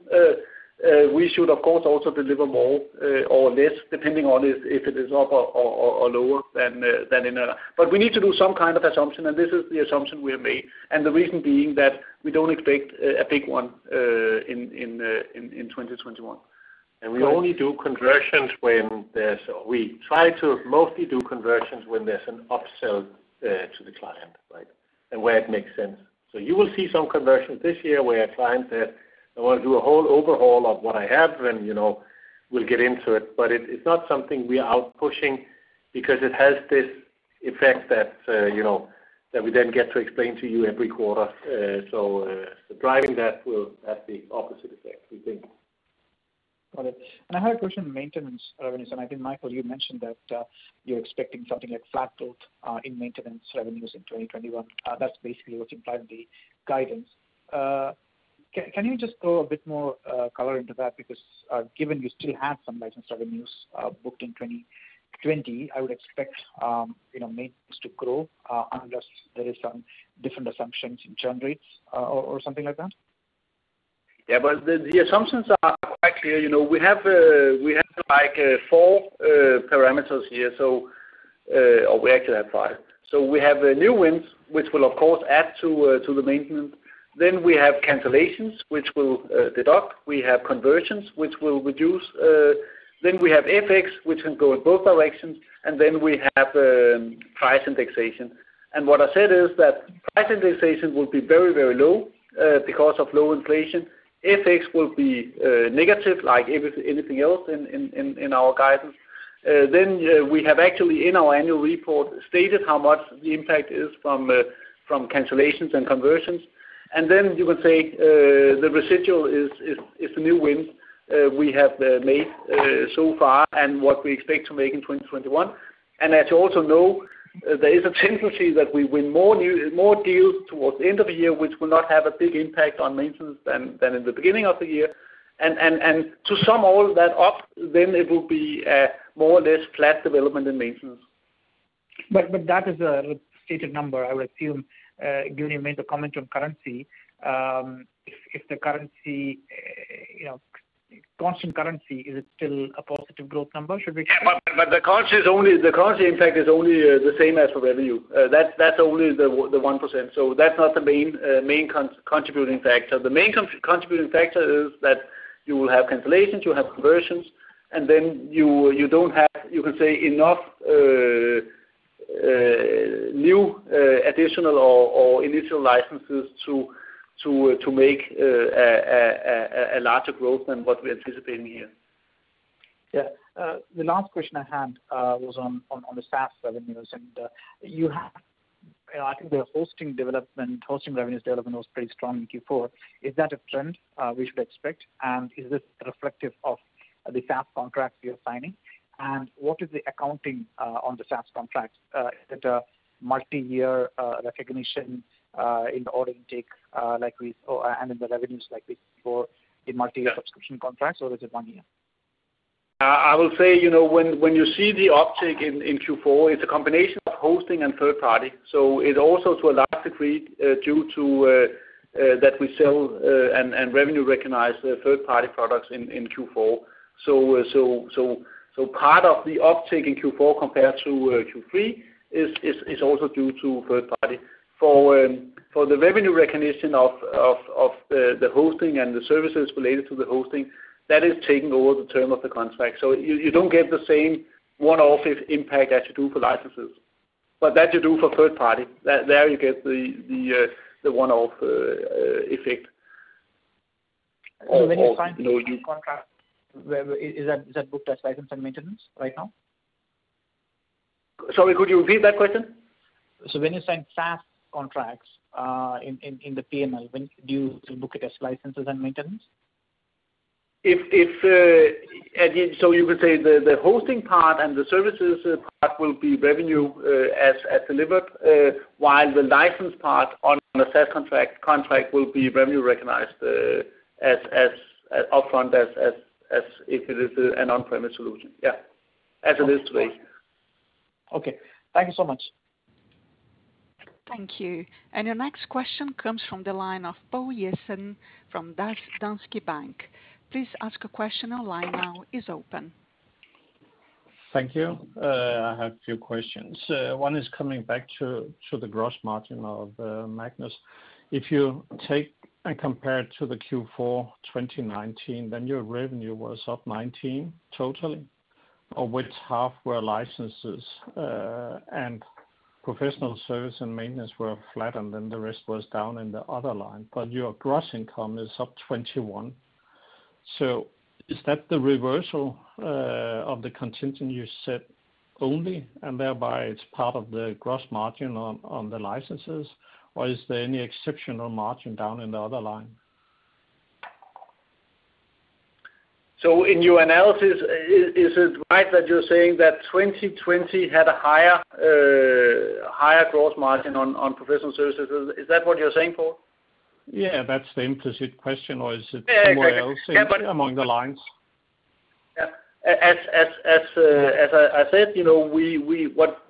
we should, of course, also deliver more or less, depending on if it is up or lower. We need to do some kind of assumption, and this is the assumption we have made. The reason being that we don't expect a big one in 2021. And we only do conversions when we try to mostly do conversions when there's an upsell to the client, and where it makes sense. You will see some conversions this year where a client says, "I want to do a whole overhaul of what I have," then we'll get into it. It's not something we are out pushing because it has this effect that we then get to explain to you every quarter. Driving that will have the opposite effect, we think. Got it. I had a question on maintenance revenues, I think, Michael, you mentioned that you're expecting something like flat growth in maintenance revenues in 2021. That's basically what's implied in the guidance. Can you just throw a bit more color into that? Given you still have some license revenues booked in 2020, I would expect maintenance to grow, unless there is some different assumptions in churn rates or something like that. The assumptions are quite clear. We have four parameters here. We actually have five. We have the new wins, which will, of course, add to the maintenance. We have cancellations, which will deduct. We have conversions, which will reduce. We have FX, which can go in both directions. We have price indexation. What I said is that price indexation will be very, very low because of low inflation. FX will be negative like anything else in our guidance. We have actually, in our annual report, stated how much the impact is from cancellations and conversions. You would say the residual is the new wins we have made so far and what we expect to make in 2021. As you also know, there is a tendency that we win more deals towards the end of the year, which will not have a big impact on maintenance than in the beginning of the year. To sum all that up, then it will be more or less flat development in maintenance. That is a stated number. I would assume, given you made the comment on currency, if the constant currency, is it still a positive growth number? The currency impact is only the same as the revenue. That's only the 1%. That's not the main contributing factor. The main contributing factor is that you will have cancellations, you'll have conversions, then you don't have, you can say, enough new additional or initial licenses to make a larger growth than what we are anticipating here. Yeah. The last question I had was on the SaaS revenues. I think the hosting revenues development was pretty strong in Q4. Is that a trend we should expect? Is this reflective of the SaaS contracts you're signing? What is the accounting on the SaaS contracts? Is it a multi-year recognition in the order intake and in the revenues like we see for in multi-year subscription contracts, or is it one year? I will say, when you see the uptick in Q4, it's a combination of hosting and third party. It also, to a large degree, due to that we sell and revenue recognize the third-party products in Q4. Part of the uptick in Q4 compared to Q3 is also due to third party. For the revenue recognition of the hosting and the services related to the hosting, that is taken over the term of the contract. You don't get the same one-off impact as you do for licenses. That you do for third party. There you get the one-off effect. When you sign new contracts, is that booked as license and maintenance right now? Sorry, could you repeat that question? When you sign SaaS contracts, in the P&L, do you book it as licenses and maintenance? You could say the hosting part and the services part will be revenue as delivered, while the license part on the SaaS contract will be revenue recognized upfront as if it is an on-premise solution. Yeah. As it is today. Okay. Thank you so much. Thank you. Your next question comes from the line of Poul Jessen from Danske Bank. Please ask a question. Your line now is open. Thank you. I have a few questions. One is coming back to the gross margin of Magnus. If you take and compare to the Q4 2019, your revenue was up 19% totally. Of which half were licenses, and professional service and maintenance were flat, the rest was down in the other line. Your gross income is up 21%. Is that the reversal of the contingent you set only, and thereby it's part of the gross margin on the licenses? Is there any exceptional margin down in the other line? In your analysis, is it right that you're saying that 2020 had a higher gross margin on professional services? Is that what you're saying, Poul? Yeah, that's the implicit question. Yeah, exactly. Somewhere else in between among the lines? Yeah. As I said,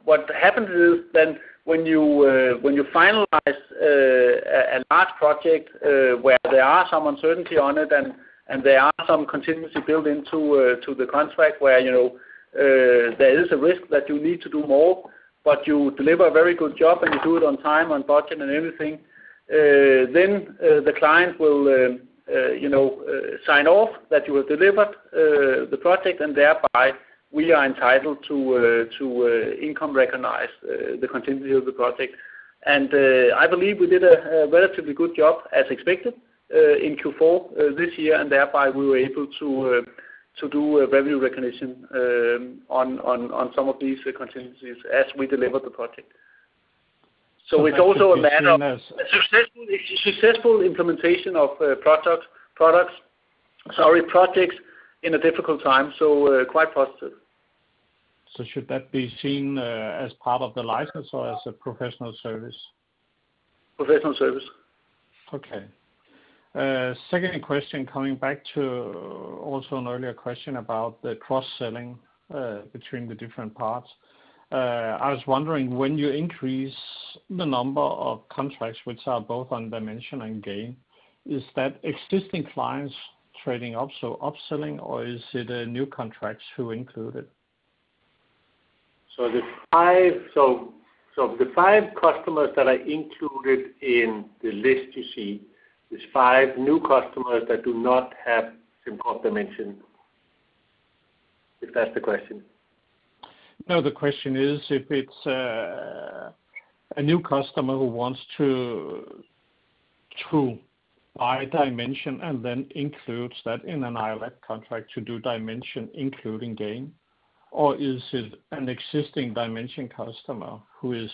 what happens is then, when you finalize a large project, where there are some uncertainty on it and there are some contingency built into the contract where there is a risk that you need to do more, but you deliver a very good job and you do it on time, on budget and everything. The client will sign off that you have delivered the project, and thereby we are entitled to income recognize the contingency of the project. I believe we did a relatively good job as expected in Q4 this year, and thereby we were able to do a revenue recognition on some of these contingencies as we delivered the project. It is also a matter of successful implementation of projects in a difficult time, so quite positive. Should that be seen as part of the license or as a professional service? Professional service. Okay. Second question, coming back to also an earlier question about the cross-selling between the different parts. I was wondering, when you increase the number of contracts which are both on Dimension and Gain, is that existing clients trading also upselling, or is it new contracts who include it? The five customers that I included in the list you see, is five new customers that do not have SimCorp Dimension. If that's the question? No, the question is, if it's a new customer who wants to buy Dimension, then includes that in an [ILAC] contract to do Dimension including Gain, or is it an existing Dimension customer who is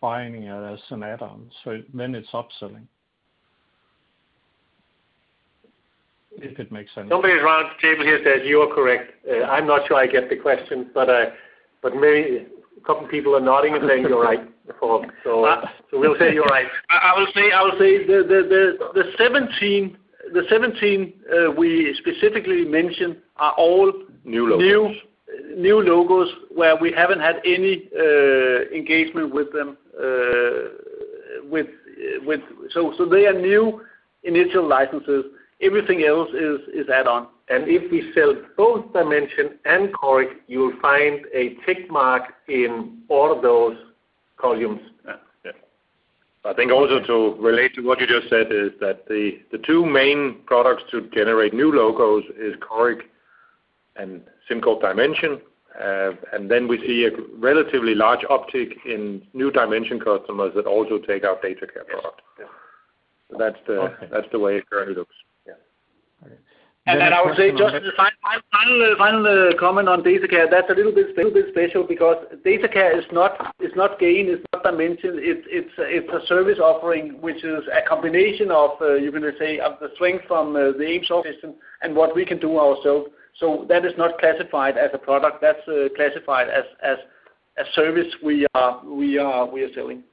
buying it as an add-on, then it's upselling. If it makes sense? Somebody around the table here said you are correct. I'm not sure I get the question, but maybe a couple people are nodding and saying you're right, Poul. We'll say you're right. I will say, the 17 we specifically mentioned are all. New logos. New logos where we haven't had any engagement with them. They are new initial licenses. Everything else is add-on. If we sell both Dimension and Coric, you will find a tick mark in all of those columns. Yeah. I think also to relate to what you just said is that the two main products to generate new logos is Coric and SimCorp Dimension. Then we see a relatively large uptick in new Dimension customers that also take our DataCare product. Yes. That's the way it currently looks. Yeah. All right. I will say, just as a final comment on DataCare, that's a little bit special because DataCare is not Gain, it's not Dimension. It's a service offering, which is a combination of, you're going to say, of the strength from the in-house system and what we can do ourselves. That is not classified as a product. That's classified as a service we are selling.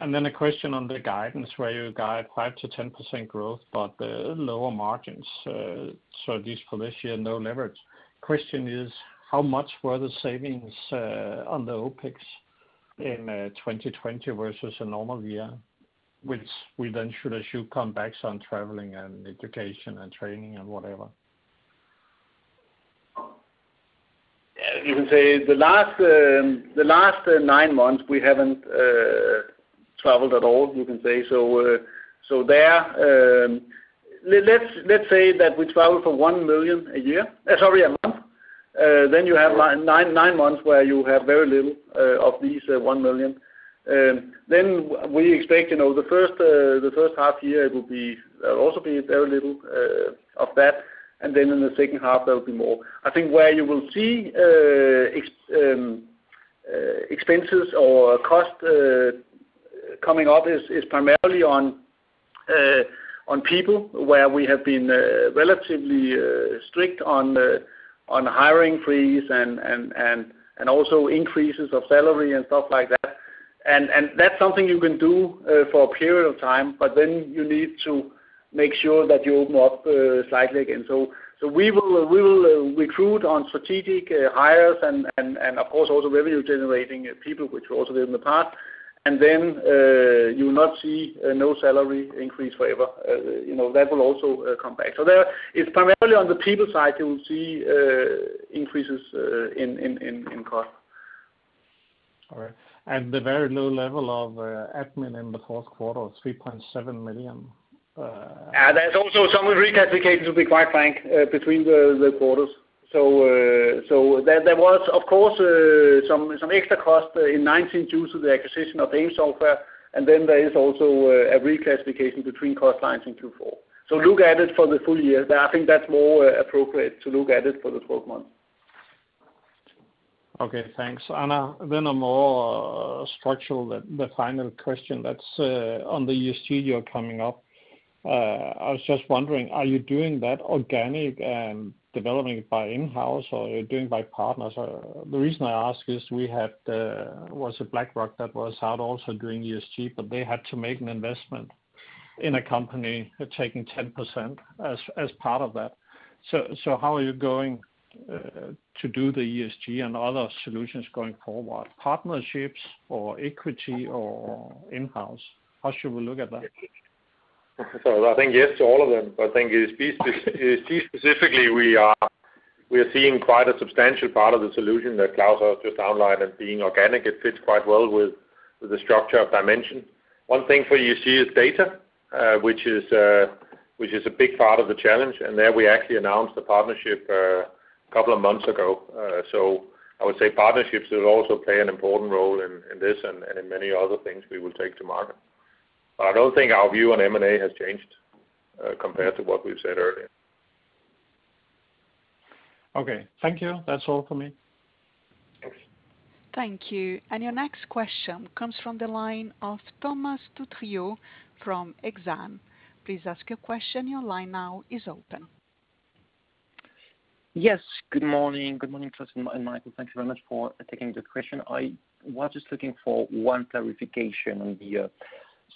Yeah. A question on the guidance, where you guide 5%-10% growth, but lower margins. At least for this year, no leverage. Question is, how much were the savings on the OPEX in 2020 versus a normal year? Which we then should assume come back on traveling and education and training and whatever. You can say the last nine months, we haven't traveled at all, you can say. Let's say that we travel for 1 million a month. You have nine months where you have very little of these 1 million. We expect, the first half year there'll also be very little of that. In the second half, there'll be more. I think where you will see expenses or cost coming up is primarily on people, where we have been relatively strict on hiring freeze and also increases of salary and stuff like that. That's something you can do for a period of time, but then you need to make sure that you open up slightly again. We will recruit on strategic hires and of course also revenue-generating people, which we also did in the past. You will not see no salary increase forever. That will also come back. It's primarily on the people side you will see increases in cost. All right. The very low level of admin in the fourth quarter was 3.7 million. There's also some reclassification, to be quite frank, between the quarters. There was, of course, some extra cost in 2019 due to the acquisition of AIM Software. There is also a reclassification between cost lines in Q4. Look at it for the full year. I think that's more appropriate to look at it for the 12 months. Okay, thanks. A more structural, the final question that's on the ESG that are coming up. I was just wondering, are you doing that organic and developing it by in-house or are you doing by partners? The reason I ask is we had, was it BlackRock that was out also doing ESG, but they had to make an investment in a company, taking 10% as part of that. How are you going to do the ESG and other solutions going forward? Partnerships or equity or in-house? How should we look at that? I think yes to all of them. I think ESG specifically, we are seeing quite a substantial part of the solution that Klaus has just outlined as being organic. It fits quite well with the structure of Dimension. One thing for ESG is data, which is a big part of the challenge. There we actually announced a partnership a couple of months ago. I would say partnerships will also play an important role in this and in many other things we will take to market. I don't think our view on M&A has changed, compared to what we've said earlier. Okay. Thank you. That's all for me. Thanks. Thank you. Your next question comes from the line of Thomas Poutrieux from Exane. Please ask your question. Your line now is open. Yes. Good morning. Good morning, Klaus and Michael. Thank you very much for taking the question. I was just looking for one clarification on the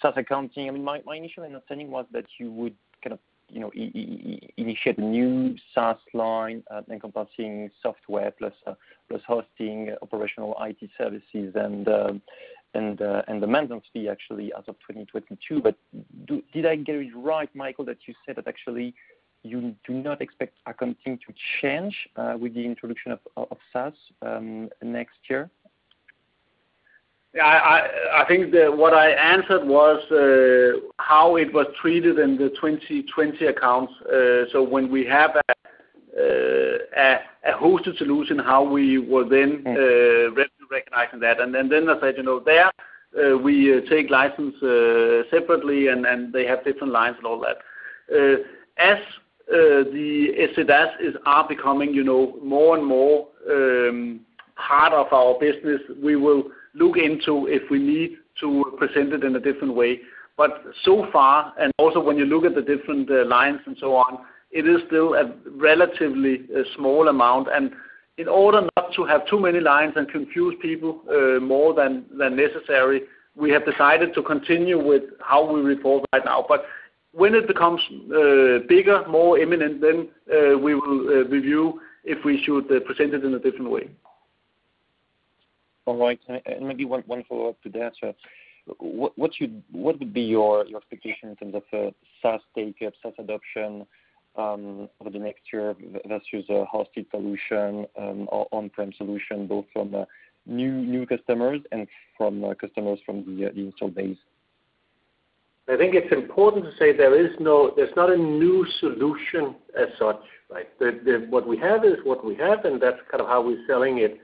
SaaS accounting. My initial understanding was that you would kind of initiate a new SaaS line encompassing software plus hosting operational IT services and the maintenance fee actually as of 2022. Did I get it right, Michael, that you said that actually you do not expect accounting to change with the introduction of SaaS next year? I think that what I answered was how it was treated in the 2020 accounts. When we have a hosted solution, how we will then revenue recognize that. Then I said there, we take license separately, and they have different lines and all that. As the SCDs are becoming more and more part of our business, we will look into if we need to present it in a different way. So far, and also when you look at the different lines and so on, it is still a relatively small amount. In order not to have too many lines and confuse people more than necessary, we have decided to continue with how we report right now. When it becomes bigger, more imminent, then we will review if we should present it in a different way. All right. Maybe one follow-up to that. What would be your expectation in terms of SaaS take-up, SaaS adoption for the next year versus a hosted solution, on-prem solution, both from new customers and from customers from the install base? I think it's important to say there's not a new solution as such, right? What we have is what we have, and that's kind of how we're selling it.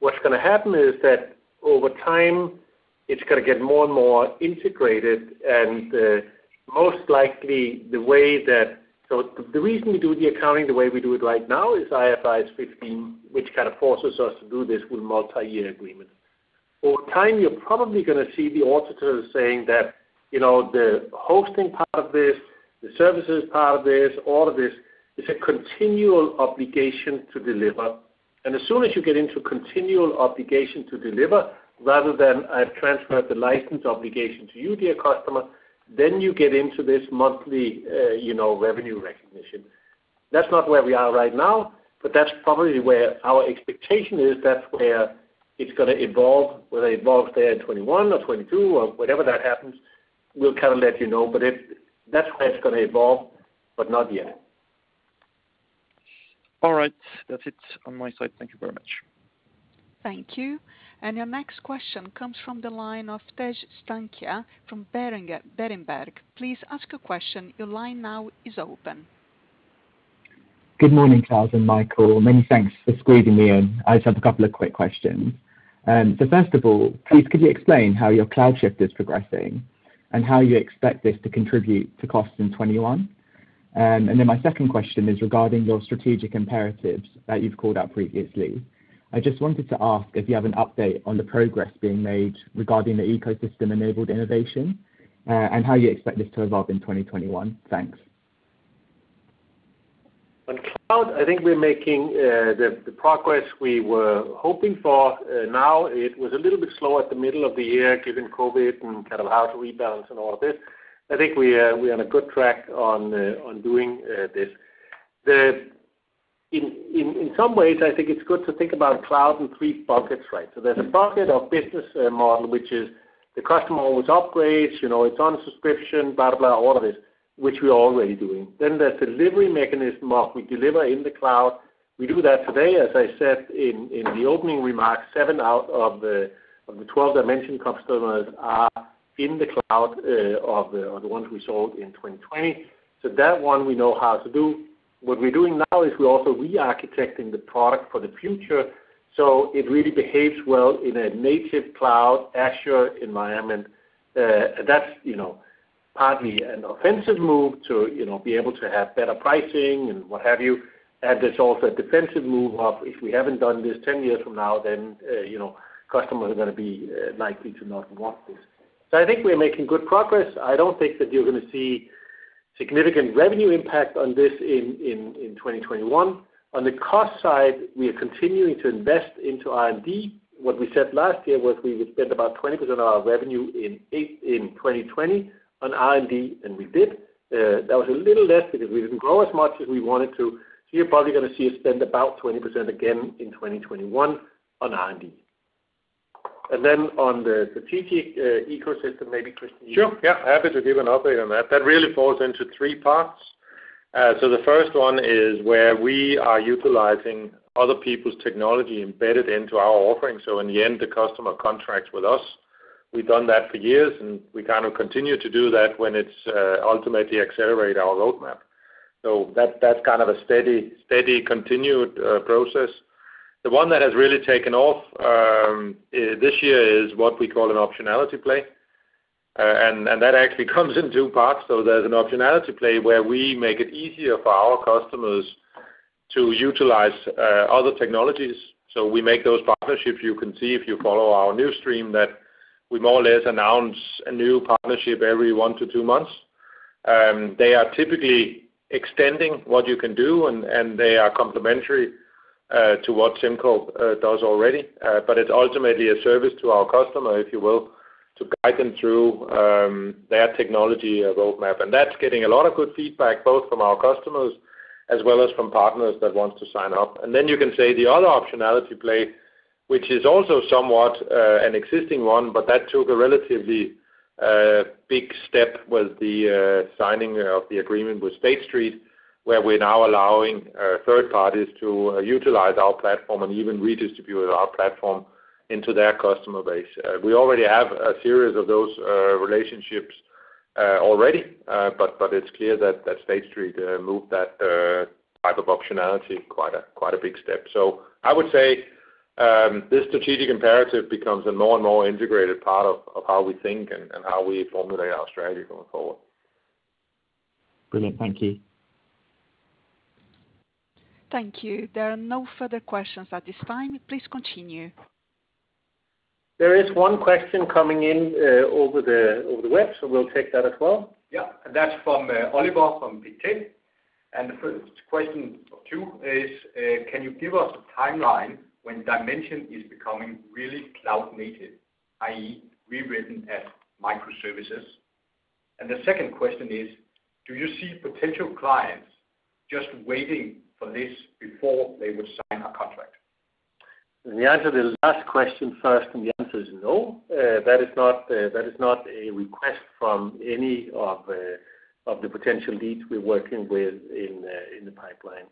What's going to happen is that over time, it's going to get more and more integrated and most likely the reason we do the accounting the way we do it right now is IFRS 15, which kind of forces us to do this with multi-year agreement. Over time, you're probably going to see the auditors saying that the hosting part of this, the services part of this, all of this, is a continual obligation to deliver. As soon as you get into continual obligation to deliver, rather than I've transferred the license obligation to you, dear customer, then you get into this monthly revenue recognition. That's not where we are right now, but that's probably where our expectation is. That's where it's going to evolve. Whether it evolves there in 2021 or 2022 or whenever that happens, we'll kind of let you know. That's where it's going to evolve, but not yet. All right. That's it on my side. Thank you very much. Thank you. Your next question comes from the line of Tej Sthankiya from Berenberg. Please ask your question. Your line now is open. Good morning, Klaus and Michael. Many thanks for squeezing me in. I just have a couple of quick questions. First of all, please could you explain how your cloud shift is progressing and how you expect this to contribute to costs in 2021? My second question is regarding your strategic imperatives that you've called out previously. I just wanted to ask if you have an update on the progress being made regarding the Ecosystem-Enabled Innovation, and how you expect this to evolve in 2021. Thanks. Well, I think we're making the progress we were hoping for now. It was a little bit slow at the middle of the year, given COVID and how to rebalance and all of this. I think we are on a good track on doing this. In some ways, I think it's good to think about cloud in three buckets. There's a bucket of business model, which is the customer always upgrades, it's on subscription, blah, blah, all of this, which we're already doing. The delivery mechanism of we deliver in the cloud. We do that today, as I said in the opening remarks, seven out of the 12 Dimension customers are in the cloud of the ones we sold in 2020. That one we know how to do. What we're doing now is we're also re-architecting the product for the future, so it really behaves well in a native cloud Azure environment. That's partly an offensive move to be able to have better pricing and what have you. It's also a defensive move of, if we haven't done this 10 years from now, then customers are going to be likely to not want this. I think we're making good progress. I don't think that you're going to see significant revenue impact on this in 2021. On the cost side, we are continuing to invest into R&D. What we said last year was we would spend about 20% of our revenue in 2020 on R&D, and we did. That was a little less because we didn't grow as much as we wanted to. You're probably going to see us spend about 20% again in 2021 on R&D. On the strategic ecosystem, maybe Christian. Sure. Yeah. Happy to give an update on that. That really falls into three parts. The first one is where we are utilizing other people's technology embedded into our offering. In the end, the customer contracts with us. We've done that for years, and we kind of continue to do that when it's ultimately accelerate our roadmap. That's kind of a steady continued process. The one that has really taken off this year is what we call an optionality play. That actually comes in two parts. There's an optionality play where we make it easier for our customers to utilize other technologies. We make those partnerships. You can see if you follow our news stream, that we more or less announce a new partnership every one to two months. They are typically extending what you can do, and they are complementary to what SimCorp does already. It's ultimately a service to our customer, if you will, to guide them through their technology roadmap. That's getting a lot of good feedback, both from our customers as well as from partners that want to sign up. Then you can say the other optionality play, which is also somewhat an existing one, but that took a relatively big step, was the signing of the agreement with State Street, where we're now allowing third parties to utilize our platform and even redistribute our platform into their customer base. We already have a series of those relationships already. It's clear that State Street moved that type of optionality quite a big step. I would say, this strategic imperative becomes a more and more integrated part of how we think and how we formulate our strategy going forward. Brilliant. Thank you. Thank you. There are no further questions at this time. Please continue. There is one question coming in over the web, so we'll take that as well. Yeah. That's from Oliver from [Big Tech]. The first question of two is, "Can you give us a timeline when Dimension is becoming really cloud native, i.e. rewritten as microservices?" The second question is, "Do you see potential clients just waiting for this before they would sign a contract? Let me answer the last question first, and the answer is no. That is not a request from any of the potential leads we're working with in the pipeline.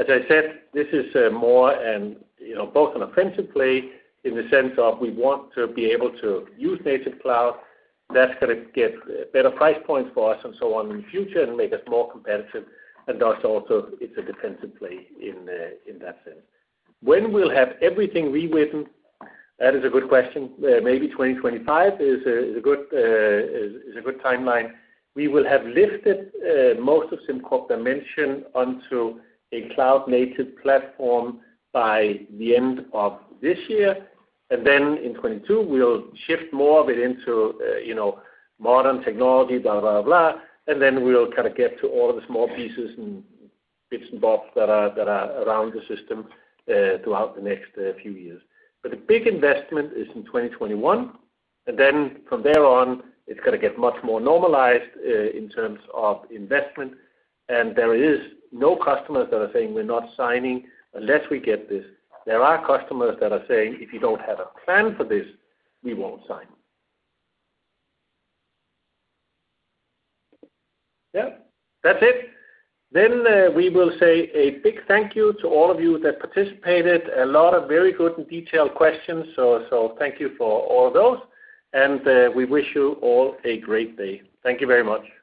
As I said, this is both an offensive play in the sense of we want to be able to use native cloud. That's going to get better price points for us and so on in the future and make us more competitive. Thus also, it's a defensive play in that sense. When we'll have everything rewritten? That is a good question. Maybe 2025 is a good timeline. We will have lifted most of SimCorp Dimension onto a cloud-native platform by the end of this year. Then in 2022, we'll shift more of it into modern technology, blah, blah. Then we'll kind of get to all of the small pieces and bits and bobs that are around the system throughout the next few years. The big investment is in 2021. Then from there on, it's going to get much more normalized in terms of investment. There is no customers that are saying, "We're not signing unless we get this." There are customers that are saying, "If you don't have a plan for this, we won't sign." Yeah. That's it. We will say a big thank you to all of you that participated. A lot of very good and detailed questions. Thank you for all those. We wish you all a great day. Thank you very much.